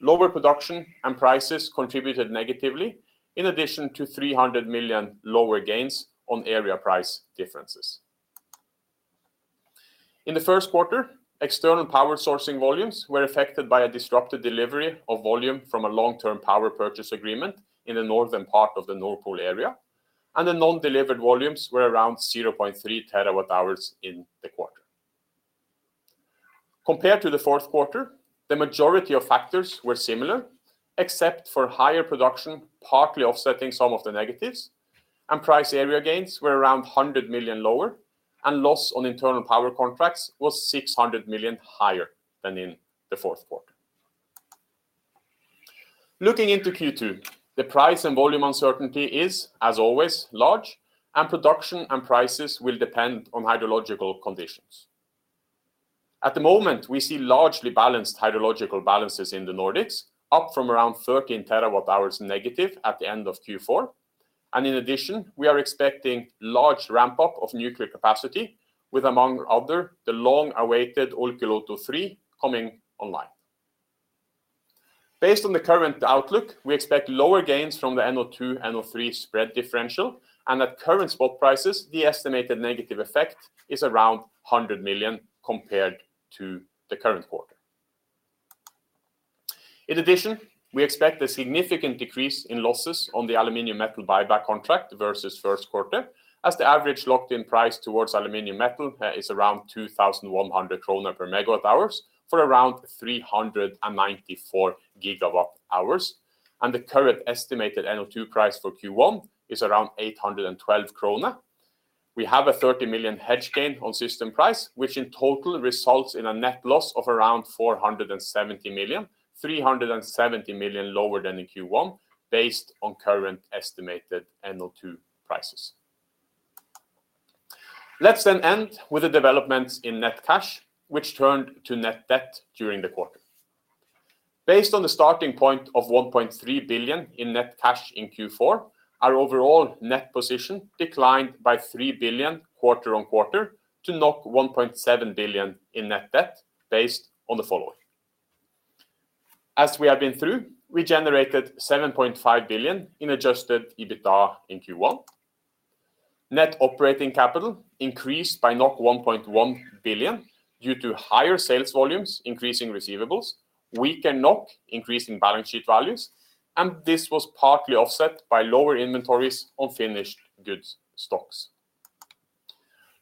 Lower production and prices contributed negatively, in addition to 300 million lower gains on area price differences. In the first quarter, external power sourcing volumes were affected by a disrupted delivery of volume from a long-term power purchase agreement in the northern part of the Nord Pool area, and the non-delivered volumes were around 0.3 terawatt-hours in the quarter. Compared to the fourth quarter, the majority of factors were similar, except for higher production, partly offsetting some of the negatives, and price area gains were around 100 million lower, and loss on internal power contracts was 600 million higher than in the fourth quarter. Looking into Q2, the price and volume uncertainty is, as always, large, and production and prices will depend on hydrological conditions. At the moment, we see largely balanced hydrological balances in the Nordics, up from around 13 TWh negative at the end of Q4. In addition, we are expecting large ramp-up of nuclear capacity with, among other, the long-awaited Olkiluoto 3 coming online. Based on the current outlook, we expect lower gains from the NO2/NO3 spread differential. At current spot prices, the estimated negative effect is around 100 million compared to the current quarter. In addition, we expect a significant decrease in losses on the Aluminium Metal buyback contract versus first quarter as the average locked in price towards Aluminium Metal is around 2,100 krone per MWh for around 394 GWh. The current estimated NO2 price for Q1 is around 812 krone. We have a 30 million hedge gain on system price, which in total results in a net loss of around 470 million, 370 million lower than in Q1, based on current estimated NO2 prices. Let's end with the developments in net cash, which turned to net debt during the quarter. Based on the starting point of 1.3 billion in net cash in Q4, our overall net position declined by 3 billion quarter-on-quarter to 1.7 billion in net debt based on the following. As we have been through, we generated 7.5 billion in adjusted EBITDA in Q1. Net operating capital increased by 1.1 billion due to higher sales volumes increasing receivables. We can NOK increase in balance sheet values, and this was partly offset by lower inventories on finished goods stocks.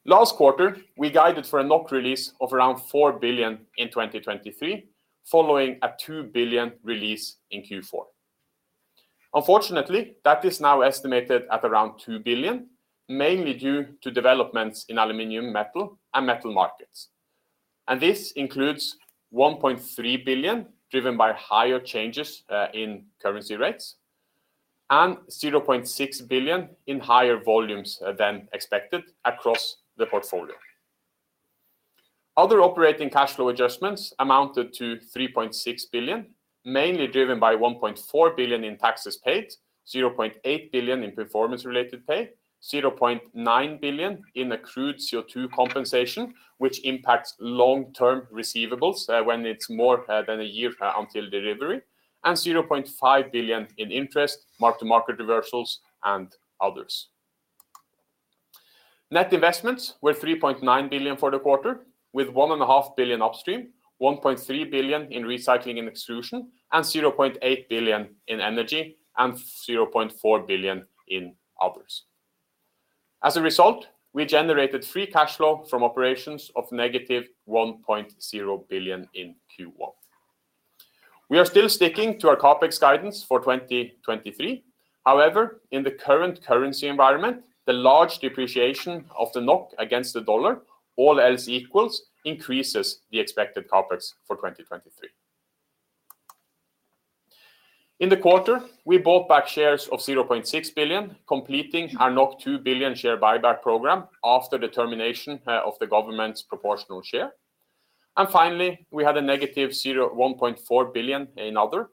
Last quarter, we guided for a NOK release of around 4 billion in 2023 following a 2 billion release in Q4. Unfortunately, that is now estimated at around 2 billion, mainly due to developments in aluminium, metal, and Metal Markets. This includes 1.3 billion driven by higher changes in currency rates and 0.6 billion in higher volumes than expected across the portfolio. Other operating cash flow adjustments amounted to 3.6 billion, mainly driven by 1.4 billion in taxes paid, 0.8 billion in performance-related pay, 0.9 billion in accrued CO2 compensation, which impacts long-term receivables, when it's more than a year until delivery, and 0.5 billion in interest, mark-to-market reversals, and others. Net investments were 3.9 billion for the quarter, with one and a half billion upstream, 1.3 billion in recycling and Extrusions, and 0.8 billion in Energy, and 0.4 billion in others. As a result, we generated free cash flow from operations of negative 1.0 billion in Q1. We are still sticking to our CapEx guidance for 2023. In the current currency environment, the large depreciation of the NOK against the USD, all else equals, increases the expected CapEx for 2023. In the quarter, we bought back shares of 0.6 billion, completing our 2 billion share buyback program after the termination of the government's proportional share. Finally, we had a negative 1.4 billion in other,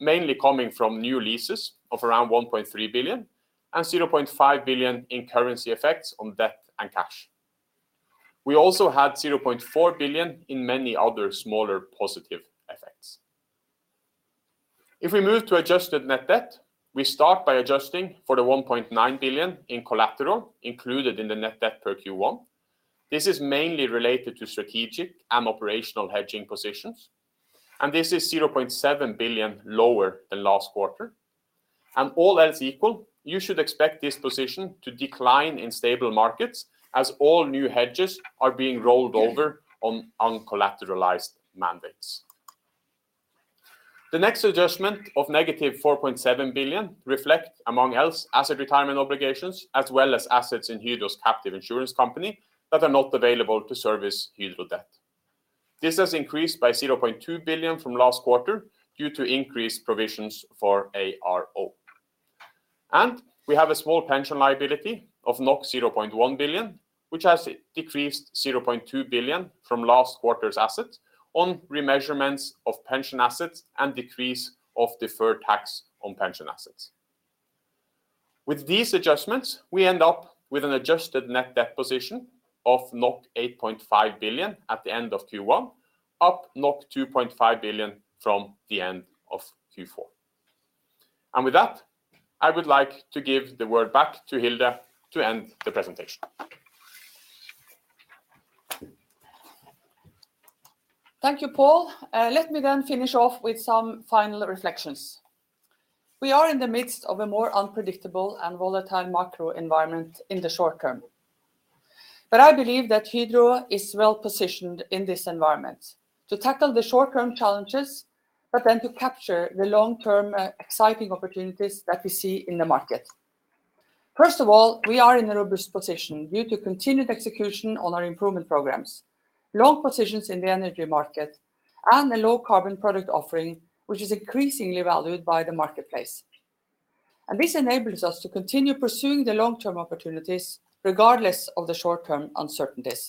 mainly coming from new leases of around 1.3 billion and 0.5 billion in currency effects on debt and cash. We also had 0.4 billion in many other smaller positive effects. If we move to adjusted net debt, we start by adjusting for the 1.9 billion in collateral included in the net debt per Q1. This is mainly related to strategic and operational hedging positions, and this is 0.7 billion lower than last quarter. All else equal, you should expect this position to decline in stable markets as all new hedges are being rolled over on uncollateralized mandates. The next adjustment of -4.7 billion reflect, among else, asset retirement obligations as well as assets in Hydro's captive insurance company that are not available to service Hydro debt. This has increased by 0.2 billion from last quarter due to increased provisions for ARO. We have a small pension liability of 0.1 billion, which has decreased 0.2 billion from last quarter's assets on remeasurements of pension assets and decrease of deferred tax on pension assets. With these adjustments, we end up with an adjusted net debt position of 8.5 billion at the end of Q1, up 2.5 billion from the end of Q4. With that, I would like to give the word back to Hilde to end the presentation. Thank you, Pål. Let me then finish off with some final reflections. We are in the midst of a more unpredictable and volatile macro environment in the short term. I believe that Hydro is well-positioned in this environment to tackle the short-term challenges, but then to capture the long-term, exciting opportunities that we see in the market. First of all, we are in a robust position due to continued execution on our improvement programs, long positions in the energy market, and a low carbon product offering, which is increasingly valued by the marketplace. This enables us to continue pursuing the long-term opportunities regardless of the short-term uncertainties.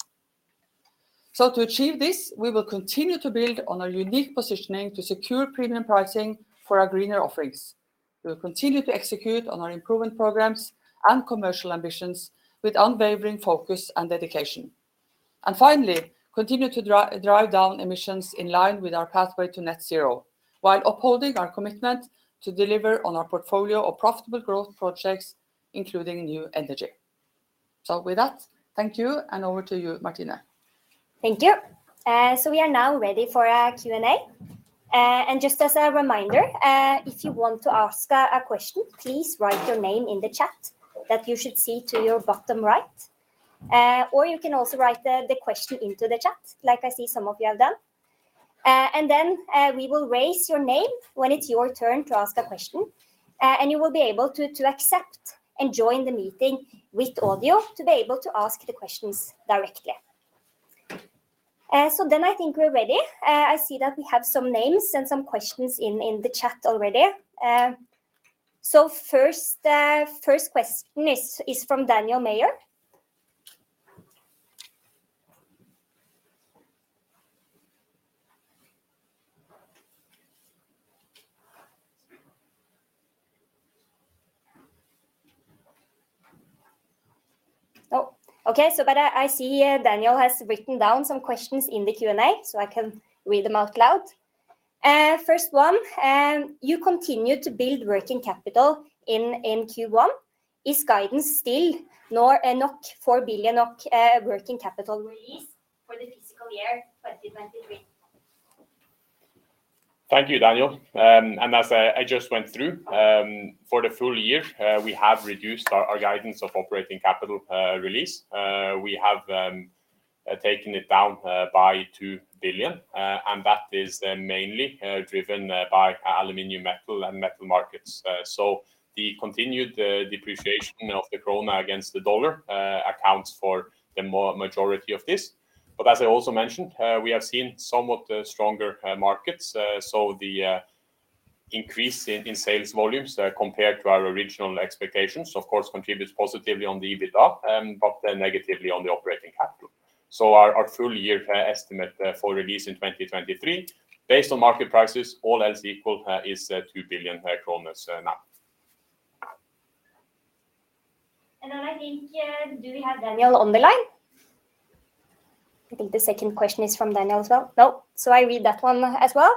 To achieve this, we will continue to build on our unique positioning to secure premium pricing for our greener offerings. We will continue to execute on our improvement programs and commercial ambitions with unwavering focus and dedication. Finally, continue to drive down emissions in line with our pathway to net zero while upholding our commitment to deliver on our portfolio of profitable growth projects, including new energy. With that, thank you, and over to you, Martine. Thank you. We are now ready for our Q&A. Just as a reminder, if you want to ask a question, please write your name in the chat that you should see to your bottom right. You can also write the question into the chat like I see some of you have done. We will raise your name when it's your turn to ask a question, and you will be able to accept and join the meeting with audio to be able to ask the questions directly. I think we're ready. I see that we have some names and some questions in the chat already. First question is from Daniel Meyer. Oh, okay. I see Daniel has written down some questions in the Q&A. I can read them out loud. First one, you continue to build working capital in Q1. Is guidance still 4 billion working capital release for the fiscal year 2023? Thank you, Daniel. As I just went through, for the full year, we have reduced our guidance of operating capital release. We have taken it down by 2 billion. That is mainly driven by Aluminium Metal and Metal Markets. The continued depreciation of the krona against the dollar accounts for the majority of this. As I also mentioned, we have seen somewhat stronger markets. The increase in sales volumes compared to our original expectations of course contributes positively on the EBITDA, negatively on the operating capital. Our full year estimate for release in 2023, based on market prices, all else equal, is 2 billion kroner now. I think, do we have Daniel on the line? I think the second question is from Daniel as well. No. I read that one as well.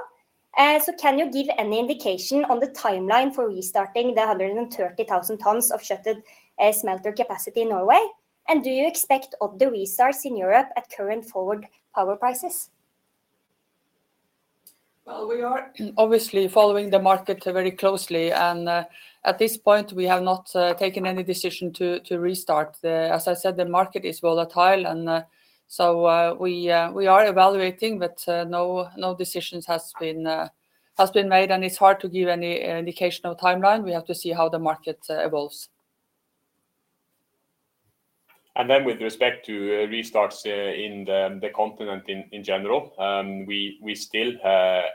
Can you give any indication on the timeline for restarting the 130,000 tons of shuttered smelter capacity in Norway? Do you expect other restarts in Europe at current forward power prices? Well, we are obviously following the market very closely, and at this point, we have not taken any decision to restart. As I said, the market is volatile and so we are evaluating, but no decisions has been made, and it's hard to give any indication of timeline. We have to see how the market evolves. With respect to restarts in the continent in general, we still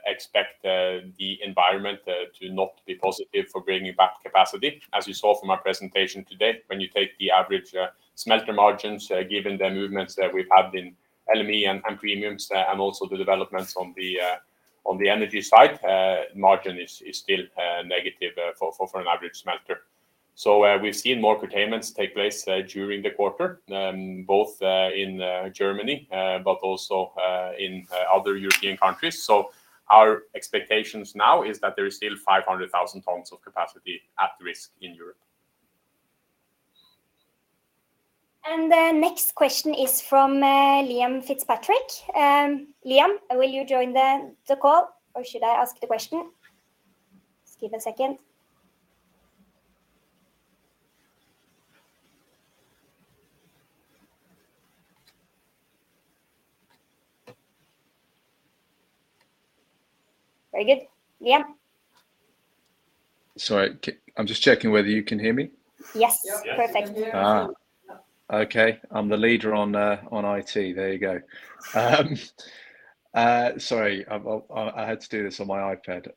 expect the environment to not be positive for bringing back capacity. As you saw from our presentation today, when you take the average smelter margins, given the movements that we've had in LME and premiums, and also the developments on the energy side, margin is still negative for an average smelter. We've seen more curtailments take place during the quarter, both in Germany, but also in other European countries. Our expectations now is that there is still 500,000 tons of capacity at risk in Europe. The next question is from Liam Fitzpatrick. Liam, will you join the call or should I ask the question? Just give a second. Very good. Liam? Sorry. I'm just checking whether you can hear me? Yes. Yes. Perfect. Okay. I'm the leader on IT. There you go. Sorry. I've, I had to do this on my iPad.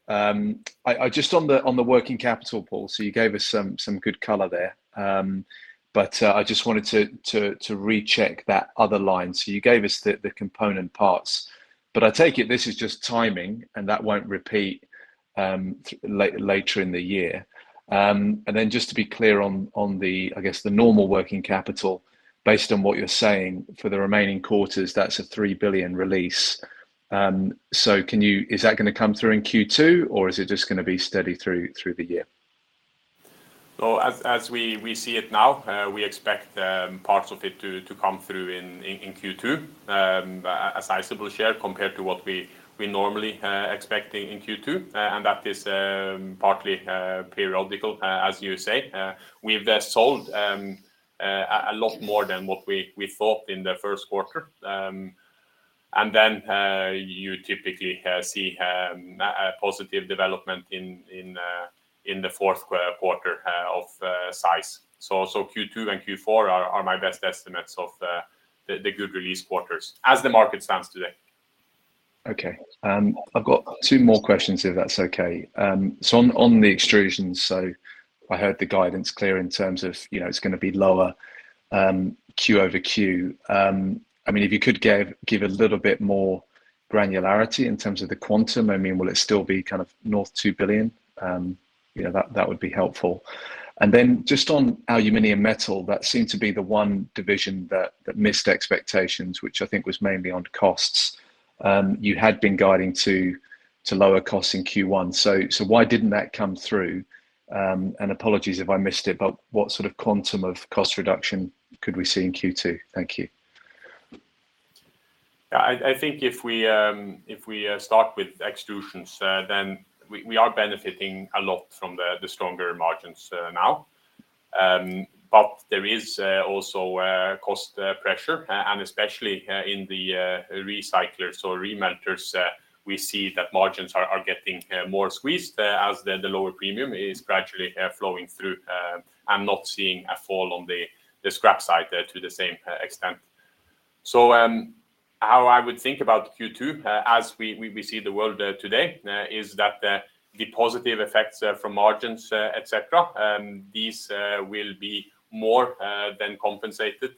I just on the, on the working capital, Pål, you gave us some good color there. I just wanted to, to recheck that other line. You gave us the component parts, but I take it this is just timing and that won't repeat later in the year. Then just to be clear on the, I guess the normal working capital based on what you're saying for the remaining quarters, that's a 3 billion release. Is that gonna come through in Q2 or is it just gonna be steady through the year? As we see it now, we expect parts of it to come through in Q2, a sizable share compared to what we normally expecting in Q2. That is partly periodical, as you say. We've sold a lot more than what we thought in the first quarter. Then you typically see a positive development in the fourth quarter of size. Q2 and Q4 are my best estimates of the good release quarters as the market stands today. Okay. I've got two more questions if that's okay. On the Extrusions, I heard the guidance clear in terms of, you know, it's gonna be lower quarter-over-quarter. I mean, if you could give a little bit more granularity in terms of the quantum, I mean, will it still be kind of north 2 billion? You know, that would be helpful. Just on Aluminium Metal, that seemed to be the one division that missed expectations, which I think was mainly on costs. You had been guiding to lower costs in Q1, so why didn't that come through? Apologies if I missed it, but what sort of quantum of cost reduction could we see in Q2? Thank you. Yeah. I think if we start with Extrusions, then we are benefiting a lot from the stronger margins now. There is also cost pressure, and especially in the recyclers or remelters, we see that margins are getting more squeezed as the lower premium is gradually flowing through, and not seeing a fall on the scrap side to the same extent. How I would think about Q2 as we see the world today is that the positive effects from margins, et cetera, these will be more than compensated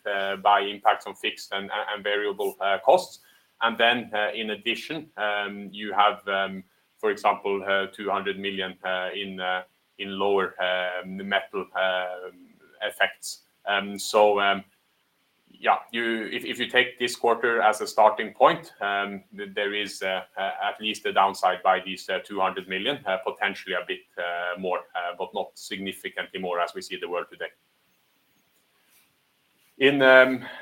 by impacts on fixed and variable costs. In addition, you have, for example, 200 million in lower Metal effects. So, Yeah, you, if you take this quarter as a starting point, there is at least a downside by these 200 million, potentially a bit more, but not significantly more as we see the world today. In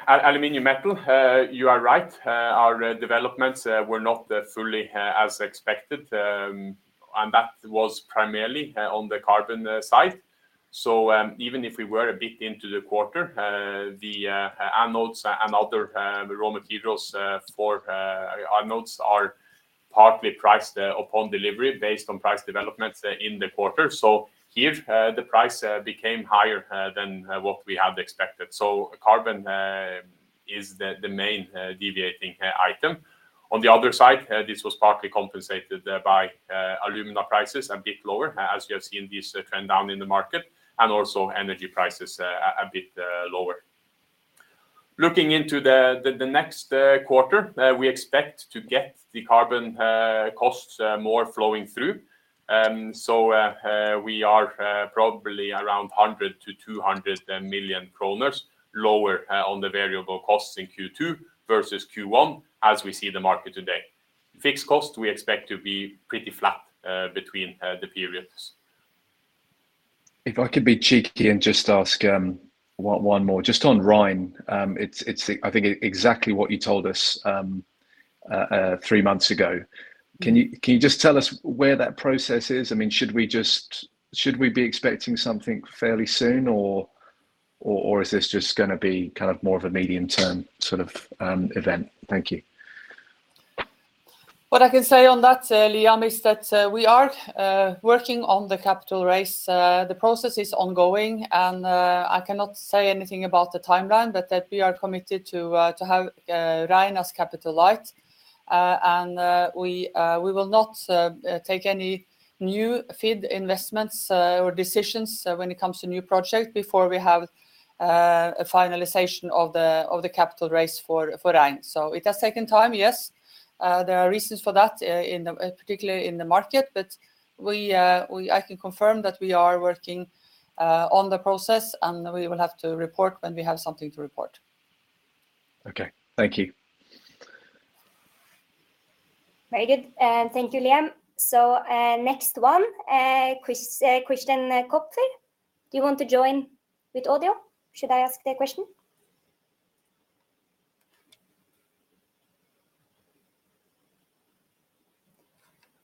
Aluminium Metal, you are right. Our developments were not fully as expected. And that was primarily on the carbon side. So, even if we were a bit into the quarter, the anodes and other raw materials for our anodes are partly priced upon delivery based on price developments in the quarter. Here, the price became higher than what we had expected. Carbon is the main deviating item. On the other side, this was partly compensated by alumina prices a bit lower, as you have seen this trend down in the market, and also energy prices a bit lower. Looking into the next quarter, we expect to get the carbon costs more flowing through. We are probably around 100-200 million kroner lower on the variable costs in Q2 versus Q1 as we see the market today. Fixed costs we expect to be pretty flat between the periods. If I could be cheeky and just ask, one more. Just on Rein. It's the, I think exactly what you told us, three months ago. Can you just tell us where that process is? I mean, should we be expecting something fairly soon or is this just gonna be kind of more of a medium term sort of event? Thank you. What I can say on that, Liam, is that we are working on the capital raise. The process is ongoing, and I cannot say anything about the timeline, but that we are committed to have Rein as capital light. We will not take any new FID investments or decisions when it comes to new project before we have a finalization of the capital raise for Rein. It has taken time, yes. There are reasons for that, particularly in the market. I can confirm that we are working on the process, and we will have to report when we have something to report. Okay. Thank you. Very good. thank you, Liam. next one, Christian Kopfer. Do you want to join with audio? Should I ask the question?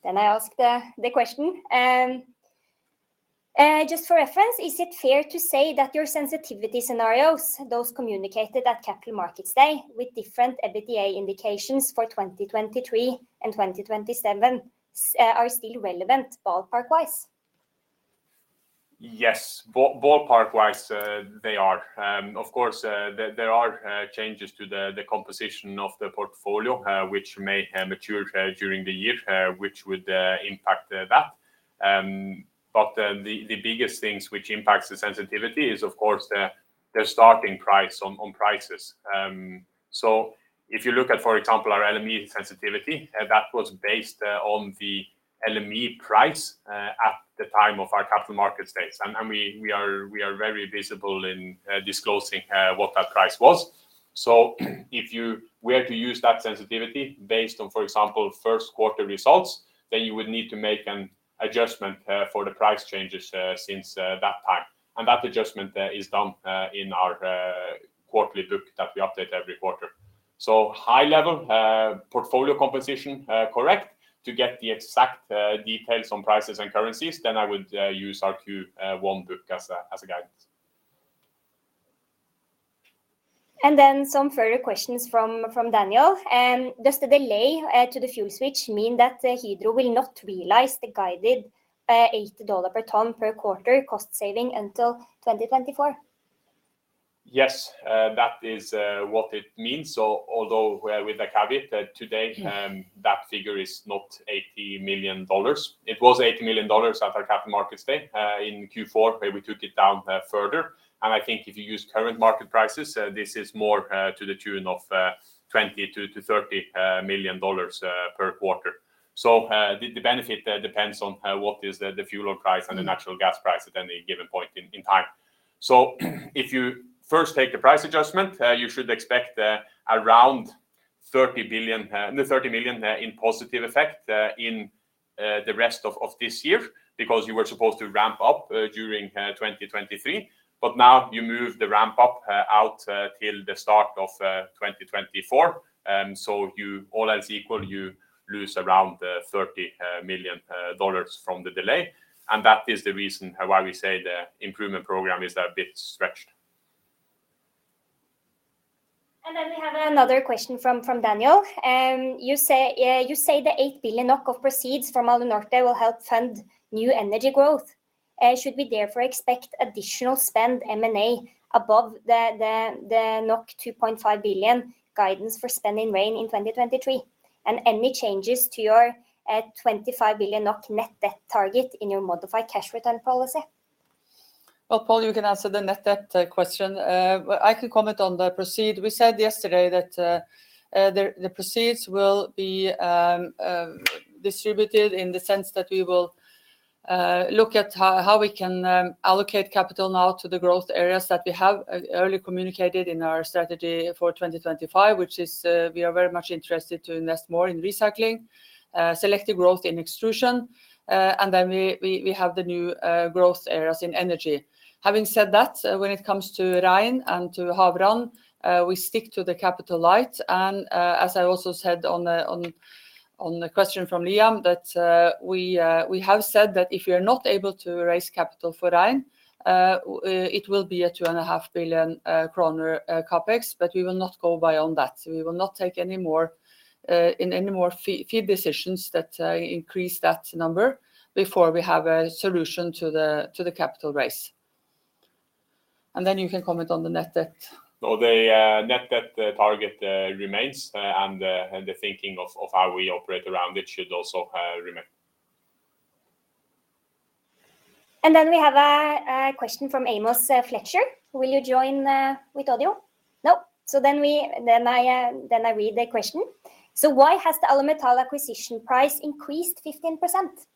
I ask the question. just for reference, is it fair to say that your sensitivity scenarios, those communicated at Capital Markets Day with different EBITDA indications for 2023 and 2027 are still relevant ballpark-wise? Yes. Ballpark-wise, they are. Of course, there are changes to the composition of the portfolio, which may have matured during the year, which would impact that. The biggest things which impacts the sensitivity is of course the starting price on prices. If you look at, for example, our LME sensitivity, that was based on the LME price at the time of our Capital Markets Days. We are very visible in disclosing what that price was. If you were to use that sensitivity based on, for example, first quarter results, then you would need to make an adjustment for the price changes since that time. That adjustment is done in our quarterly book that we update every quarter. High level portfolio composition correct. To get the exact details on prices and currencies, I would use our Q1 book as a guidance. Some further questions from Daniel. Does the delay to the fuel switch mean that Hydro will not realize the guided $80 per ton per quarter cost saving until 2024? Yes. That is what it means, so although we're with a caveat that today, that figure is not $80 million. It was $80 million at our Capital Markets Day. In Q4, we took it down further. I think if you use current market prices, this is more to the tune of $20 million-$30 million per quarter. The benefit depends on what is the fuel oil price and the natural gas price at any given point in time. If you first take the price adjustment, you should expect around $30 billion, no, $30 million, in positive effect in the rest of this year because you were supposed to ramp up during 2023. Now you move the ramp up out till the start of 2024. You, all else equal, you lose around $30 million from the delay. That is the reason why we say the improvement program is a bit stretched. We have another question from Daniel. You say the 8 billion of proceeds from Alunorte will help fund new energy growth. Should we therefore expect additional spend M&A above the 2.5 billion guidance for spend in Rein in 2023? Any changes to your 25 billion NOK net debt target in your modified cash return policy? Well, Pål, you can answer the net debt question. I can comment on the proceed. We said yesterday that the proceeds will be distributed in the sense that we will look at how we can allocate capital now to the growth areas that we have early communicated in our strategy for 2025, which is, we are very much interested to invest more in recycling, selective growth in extrusion, and then we have the new growth areas in Energy. Having said that, when it comes to Hydro Rein and to Havrand, we stick to the capital light. As I also said on the question from Liam, that we have said that if you're not able to raise capital for Hydro Rein, it will be a 2.5 billion kroner CapEx, but we will not go by on that. We will not take any more in any more few decisions that increase that number before we have a solution to the capital raise. Then you can comment on the net debt. No, the net debt target remains, and the thinking of how we operate around it should also remain. We have a question from Amos Fletcher. Will you join with audio? No. We, then I read the question. Why has the Alumetal acquisition price increased 15%?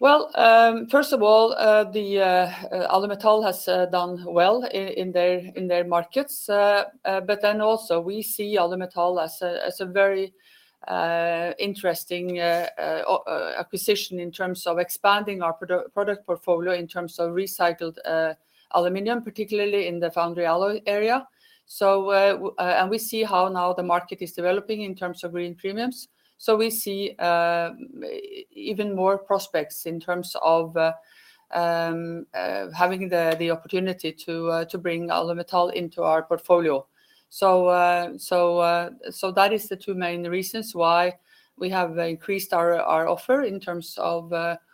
First of all, Alumetal has done well in their markets. Also we see Alumetal as a very interesting acquisition in terms of expanding our product portfolio in terms of recycled aluminum, particularly in the foundry alloy area. And we see how now the market is developing in terms of green premiums. We see even more prospects in terms of having the opportunity to bring Alumetal into our portfolio. That is the two main reasons why we have increased our offer in terms of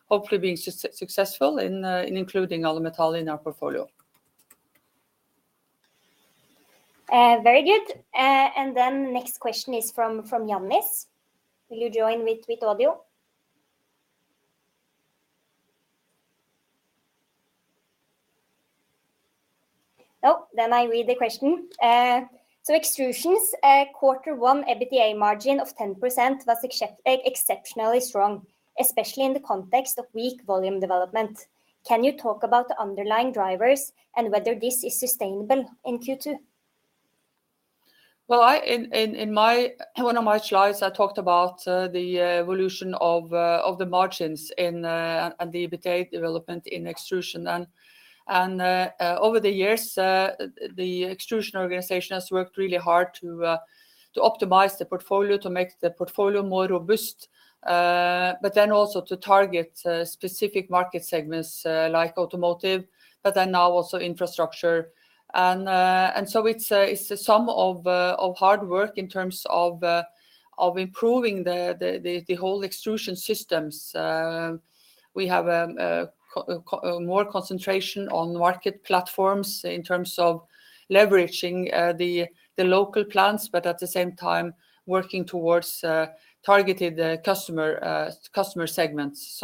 hopefully being successful in including Alumetal in our portfolio. Very good. Next question is from Yannis. Will you join with audio? No. I read the question. Extrusions quarter one EBITDA margin of 10% was exceptionally strong, especially in the context of weak volume development. Can you talk about the underlying drivers and whether this is sustainable in Q2? Well, I, in my, one of my slides, I talked about the evolution of the margins in and the EBITDA development in Extrusions. Over the years, the Extrusions organization has worked really hard to optimize the portfolio, to make the portfolio more robust, but then also to target specific market segments, like automotive, but then now also infrastructure. It's a sum of hard work in terms of improving the whole Extrusions systems. We have more concentration on market platforms in terms of leveraging the local plants, but at the same time working towards targeted customer segments.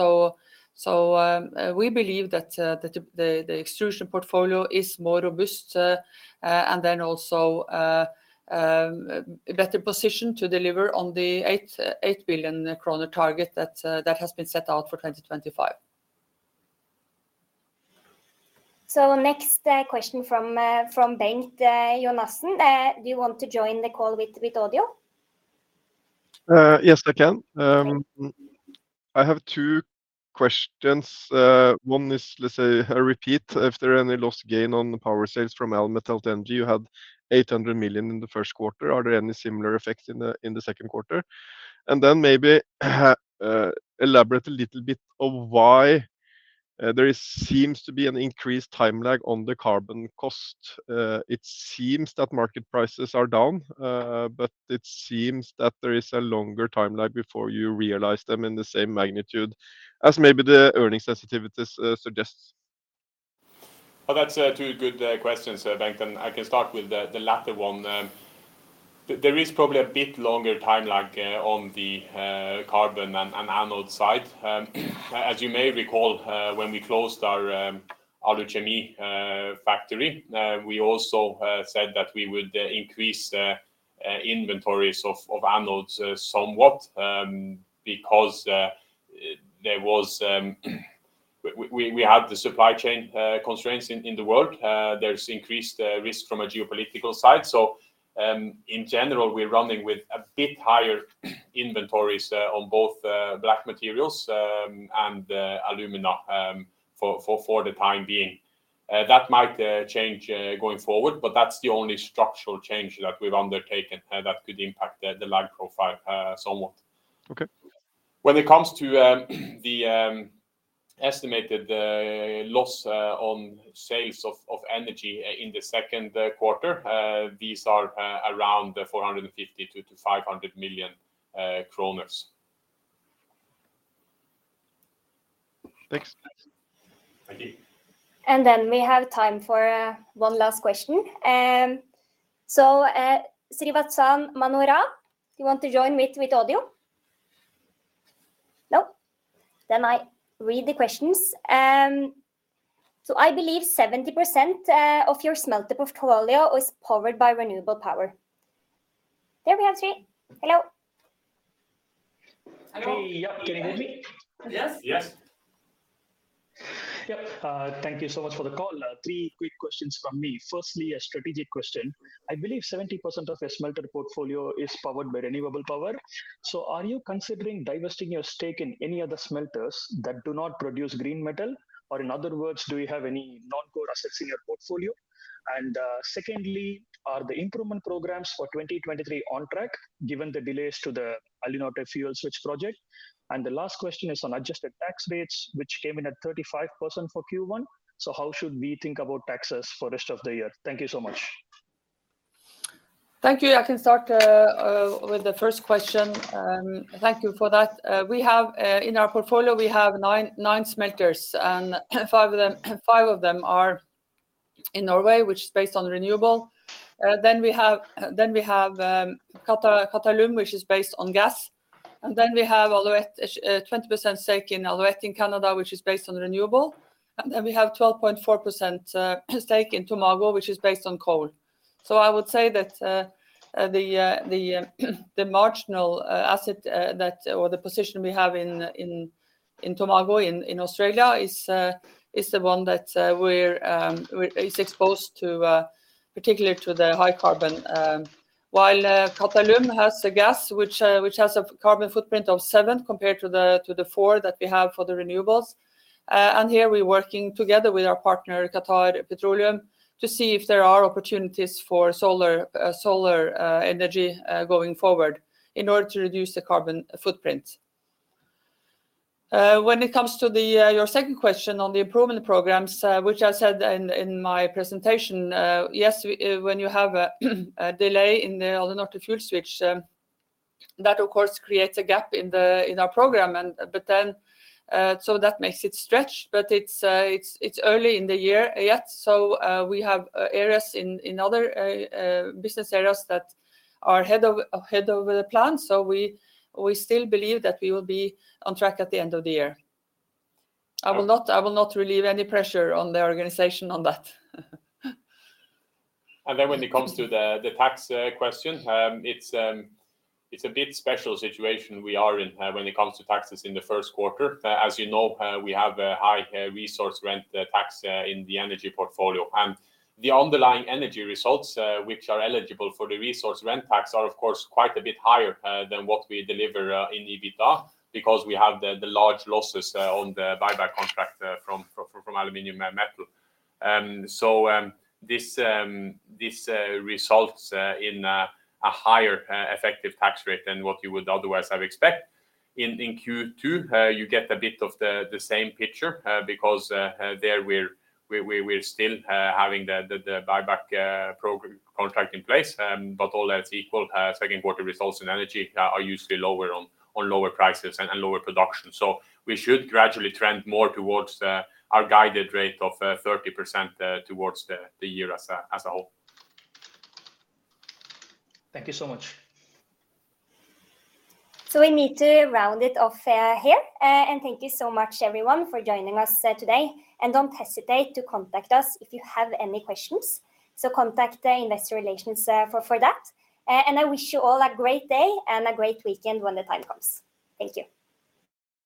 We believe that the extrusion portfolio is more robust and also better positioned to deliver on the 8 billion kroner target that has been set out for 2025. Next, question from Bengt Jonassen. Do you want to join the call with audio? Yes, I can. I have two questions. One is, let's say, a repeat. If there are any loss gain on the power sales from Alumetal Energy, you had 800 million in the first quarter. Are there any similar effects in the second quarter? Maybe elaborate a little bit of why there is seems to be an increased time lag on the carbon cost. It seems that market prices are down, it seems that there is a longer time lag before you realize them in the same magnitude as maybe the earnings sensitivities suggests. Well, that's two good questions, Bengt. I can start with the latter one. There is probably a bit longer time lag on the carbon and anode side. As you may recall, when we closed our Aluchemie factory, we also said that we would increase inventories of anodes somewhat because we had the supply chain constraints in the world. There's increased risk from a geopolitical side. In general, we're running with a bit higher inventories on both black materials and alumina for the time being. That might change going forward, but that's the only structural change that we've undertaken that could impact the lag profile somewhat. Okay. When it comes to the estimated loss on sales of energy in the second quarter, these are around 450 million-500 million kroner. Thanks. Thank you. we have time for one last question. Srivathsan Manoharan, do you want to join with audio? No. I read the questions. I believe 70% of your smelter portfolio is powered by renewable power. There we have Sri. Hello. Hello. Hey. Yeah. Can you hear me? Yes. Yes. Yep. Thank you so much for the call. Three quick questions from me. Firstly, a strategic question. I believe 70% of the smelter portfolio is powered by renewable power. Are you considering divesting your stake in any other smelters that do not produce green metal? Or in other words, do we have any non-core assets in your portfolio? Secondly, are the improvement programs for 2023 on track given the delays to the Alunorte fuel switch project? The last question is on adjusted tax rates, which came in at 35% for Q1. How should we think about taxes for rest of the year? Thank you so much. Thank you. I can start with the first question. Thank you for that. We have in our portfolio, we have 9 smelters and 5 of them are in Norway, which is based on renewable. Then we have Qatalum, which is based on gas, and then we have Alouette, 20% stake in Alouette in Canada, which is based on renewable. And then we have 12.4% stake in Tomago, which is based on coal. I would say that the marginal asset that or the position we have in Tomago in Australia is the one that is exposed to particularly to the high carbon. While Qatalum has the gas, which has a carbon footprint of 7 compared to the 4 that we have for the renewables. Here we're working together with our partner, QatarEnergy, to see if there are opportunities for solar energy going forward in order to reduce the carbon footprint. When it comes to your second question on the improvement programs, which I said in my presentation, yes, we when you have a delay in the Alunorte fuel switch, that of course creates a gap in our program, that makes it stretch, but it's early in the year yet. We have areas in other business areas that are over the plan. We still believe that we will be on track at the end of the year. I will not relieve any pressure on the organization on that. When it comes to the tax question, it's a bit special situation we are in when it comes to taxes in the first quarter. As you know, we have a high resource rent tax in the energy portfolio. The underlying energy results which are eligible for the resource rent tax are of course quite a bit higher than what we deliver in EBITDA because we have the large losses on the buyback contract from Aluminium Metal. This results in a higher effective tax rate than what you would otherwise have expect. In Q2, you get a bit of the same picture, because there we're still having the buyback contract in place. All else equal, second quarter results in Energy, are usually lower on lower prices and lower production. We should gradually trend more towards our guided rate of 30% towards the year as a whole. Thank you so much. We need to round it off here. Thank you so much everyone for joining us today, and don't hesitate to contact us if you have any questions. Contact Investor Relations for that, and I wish you all a great day and a great weekend when the time comes. Thank you.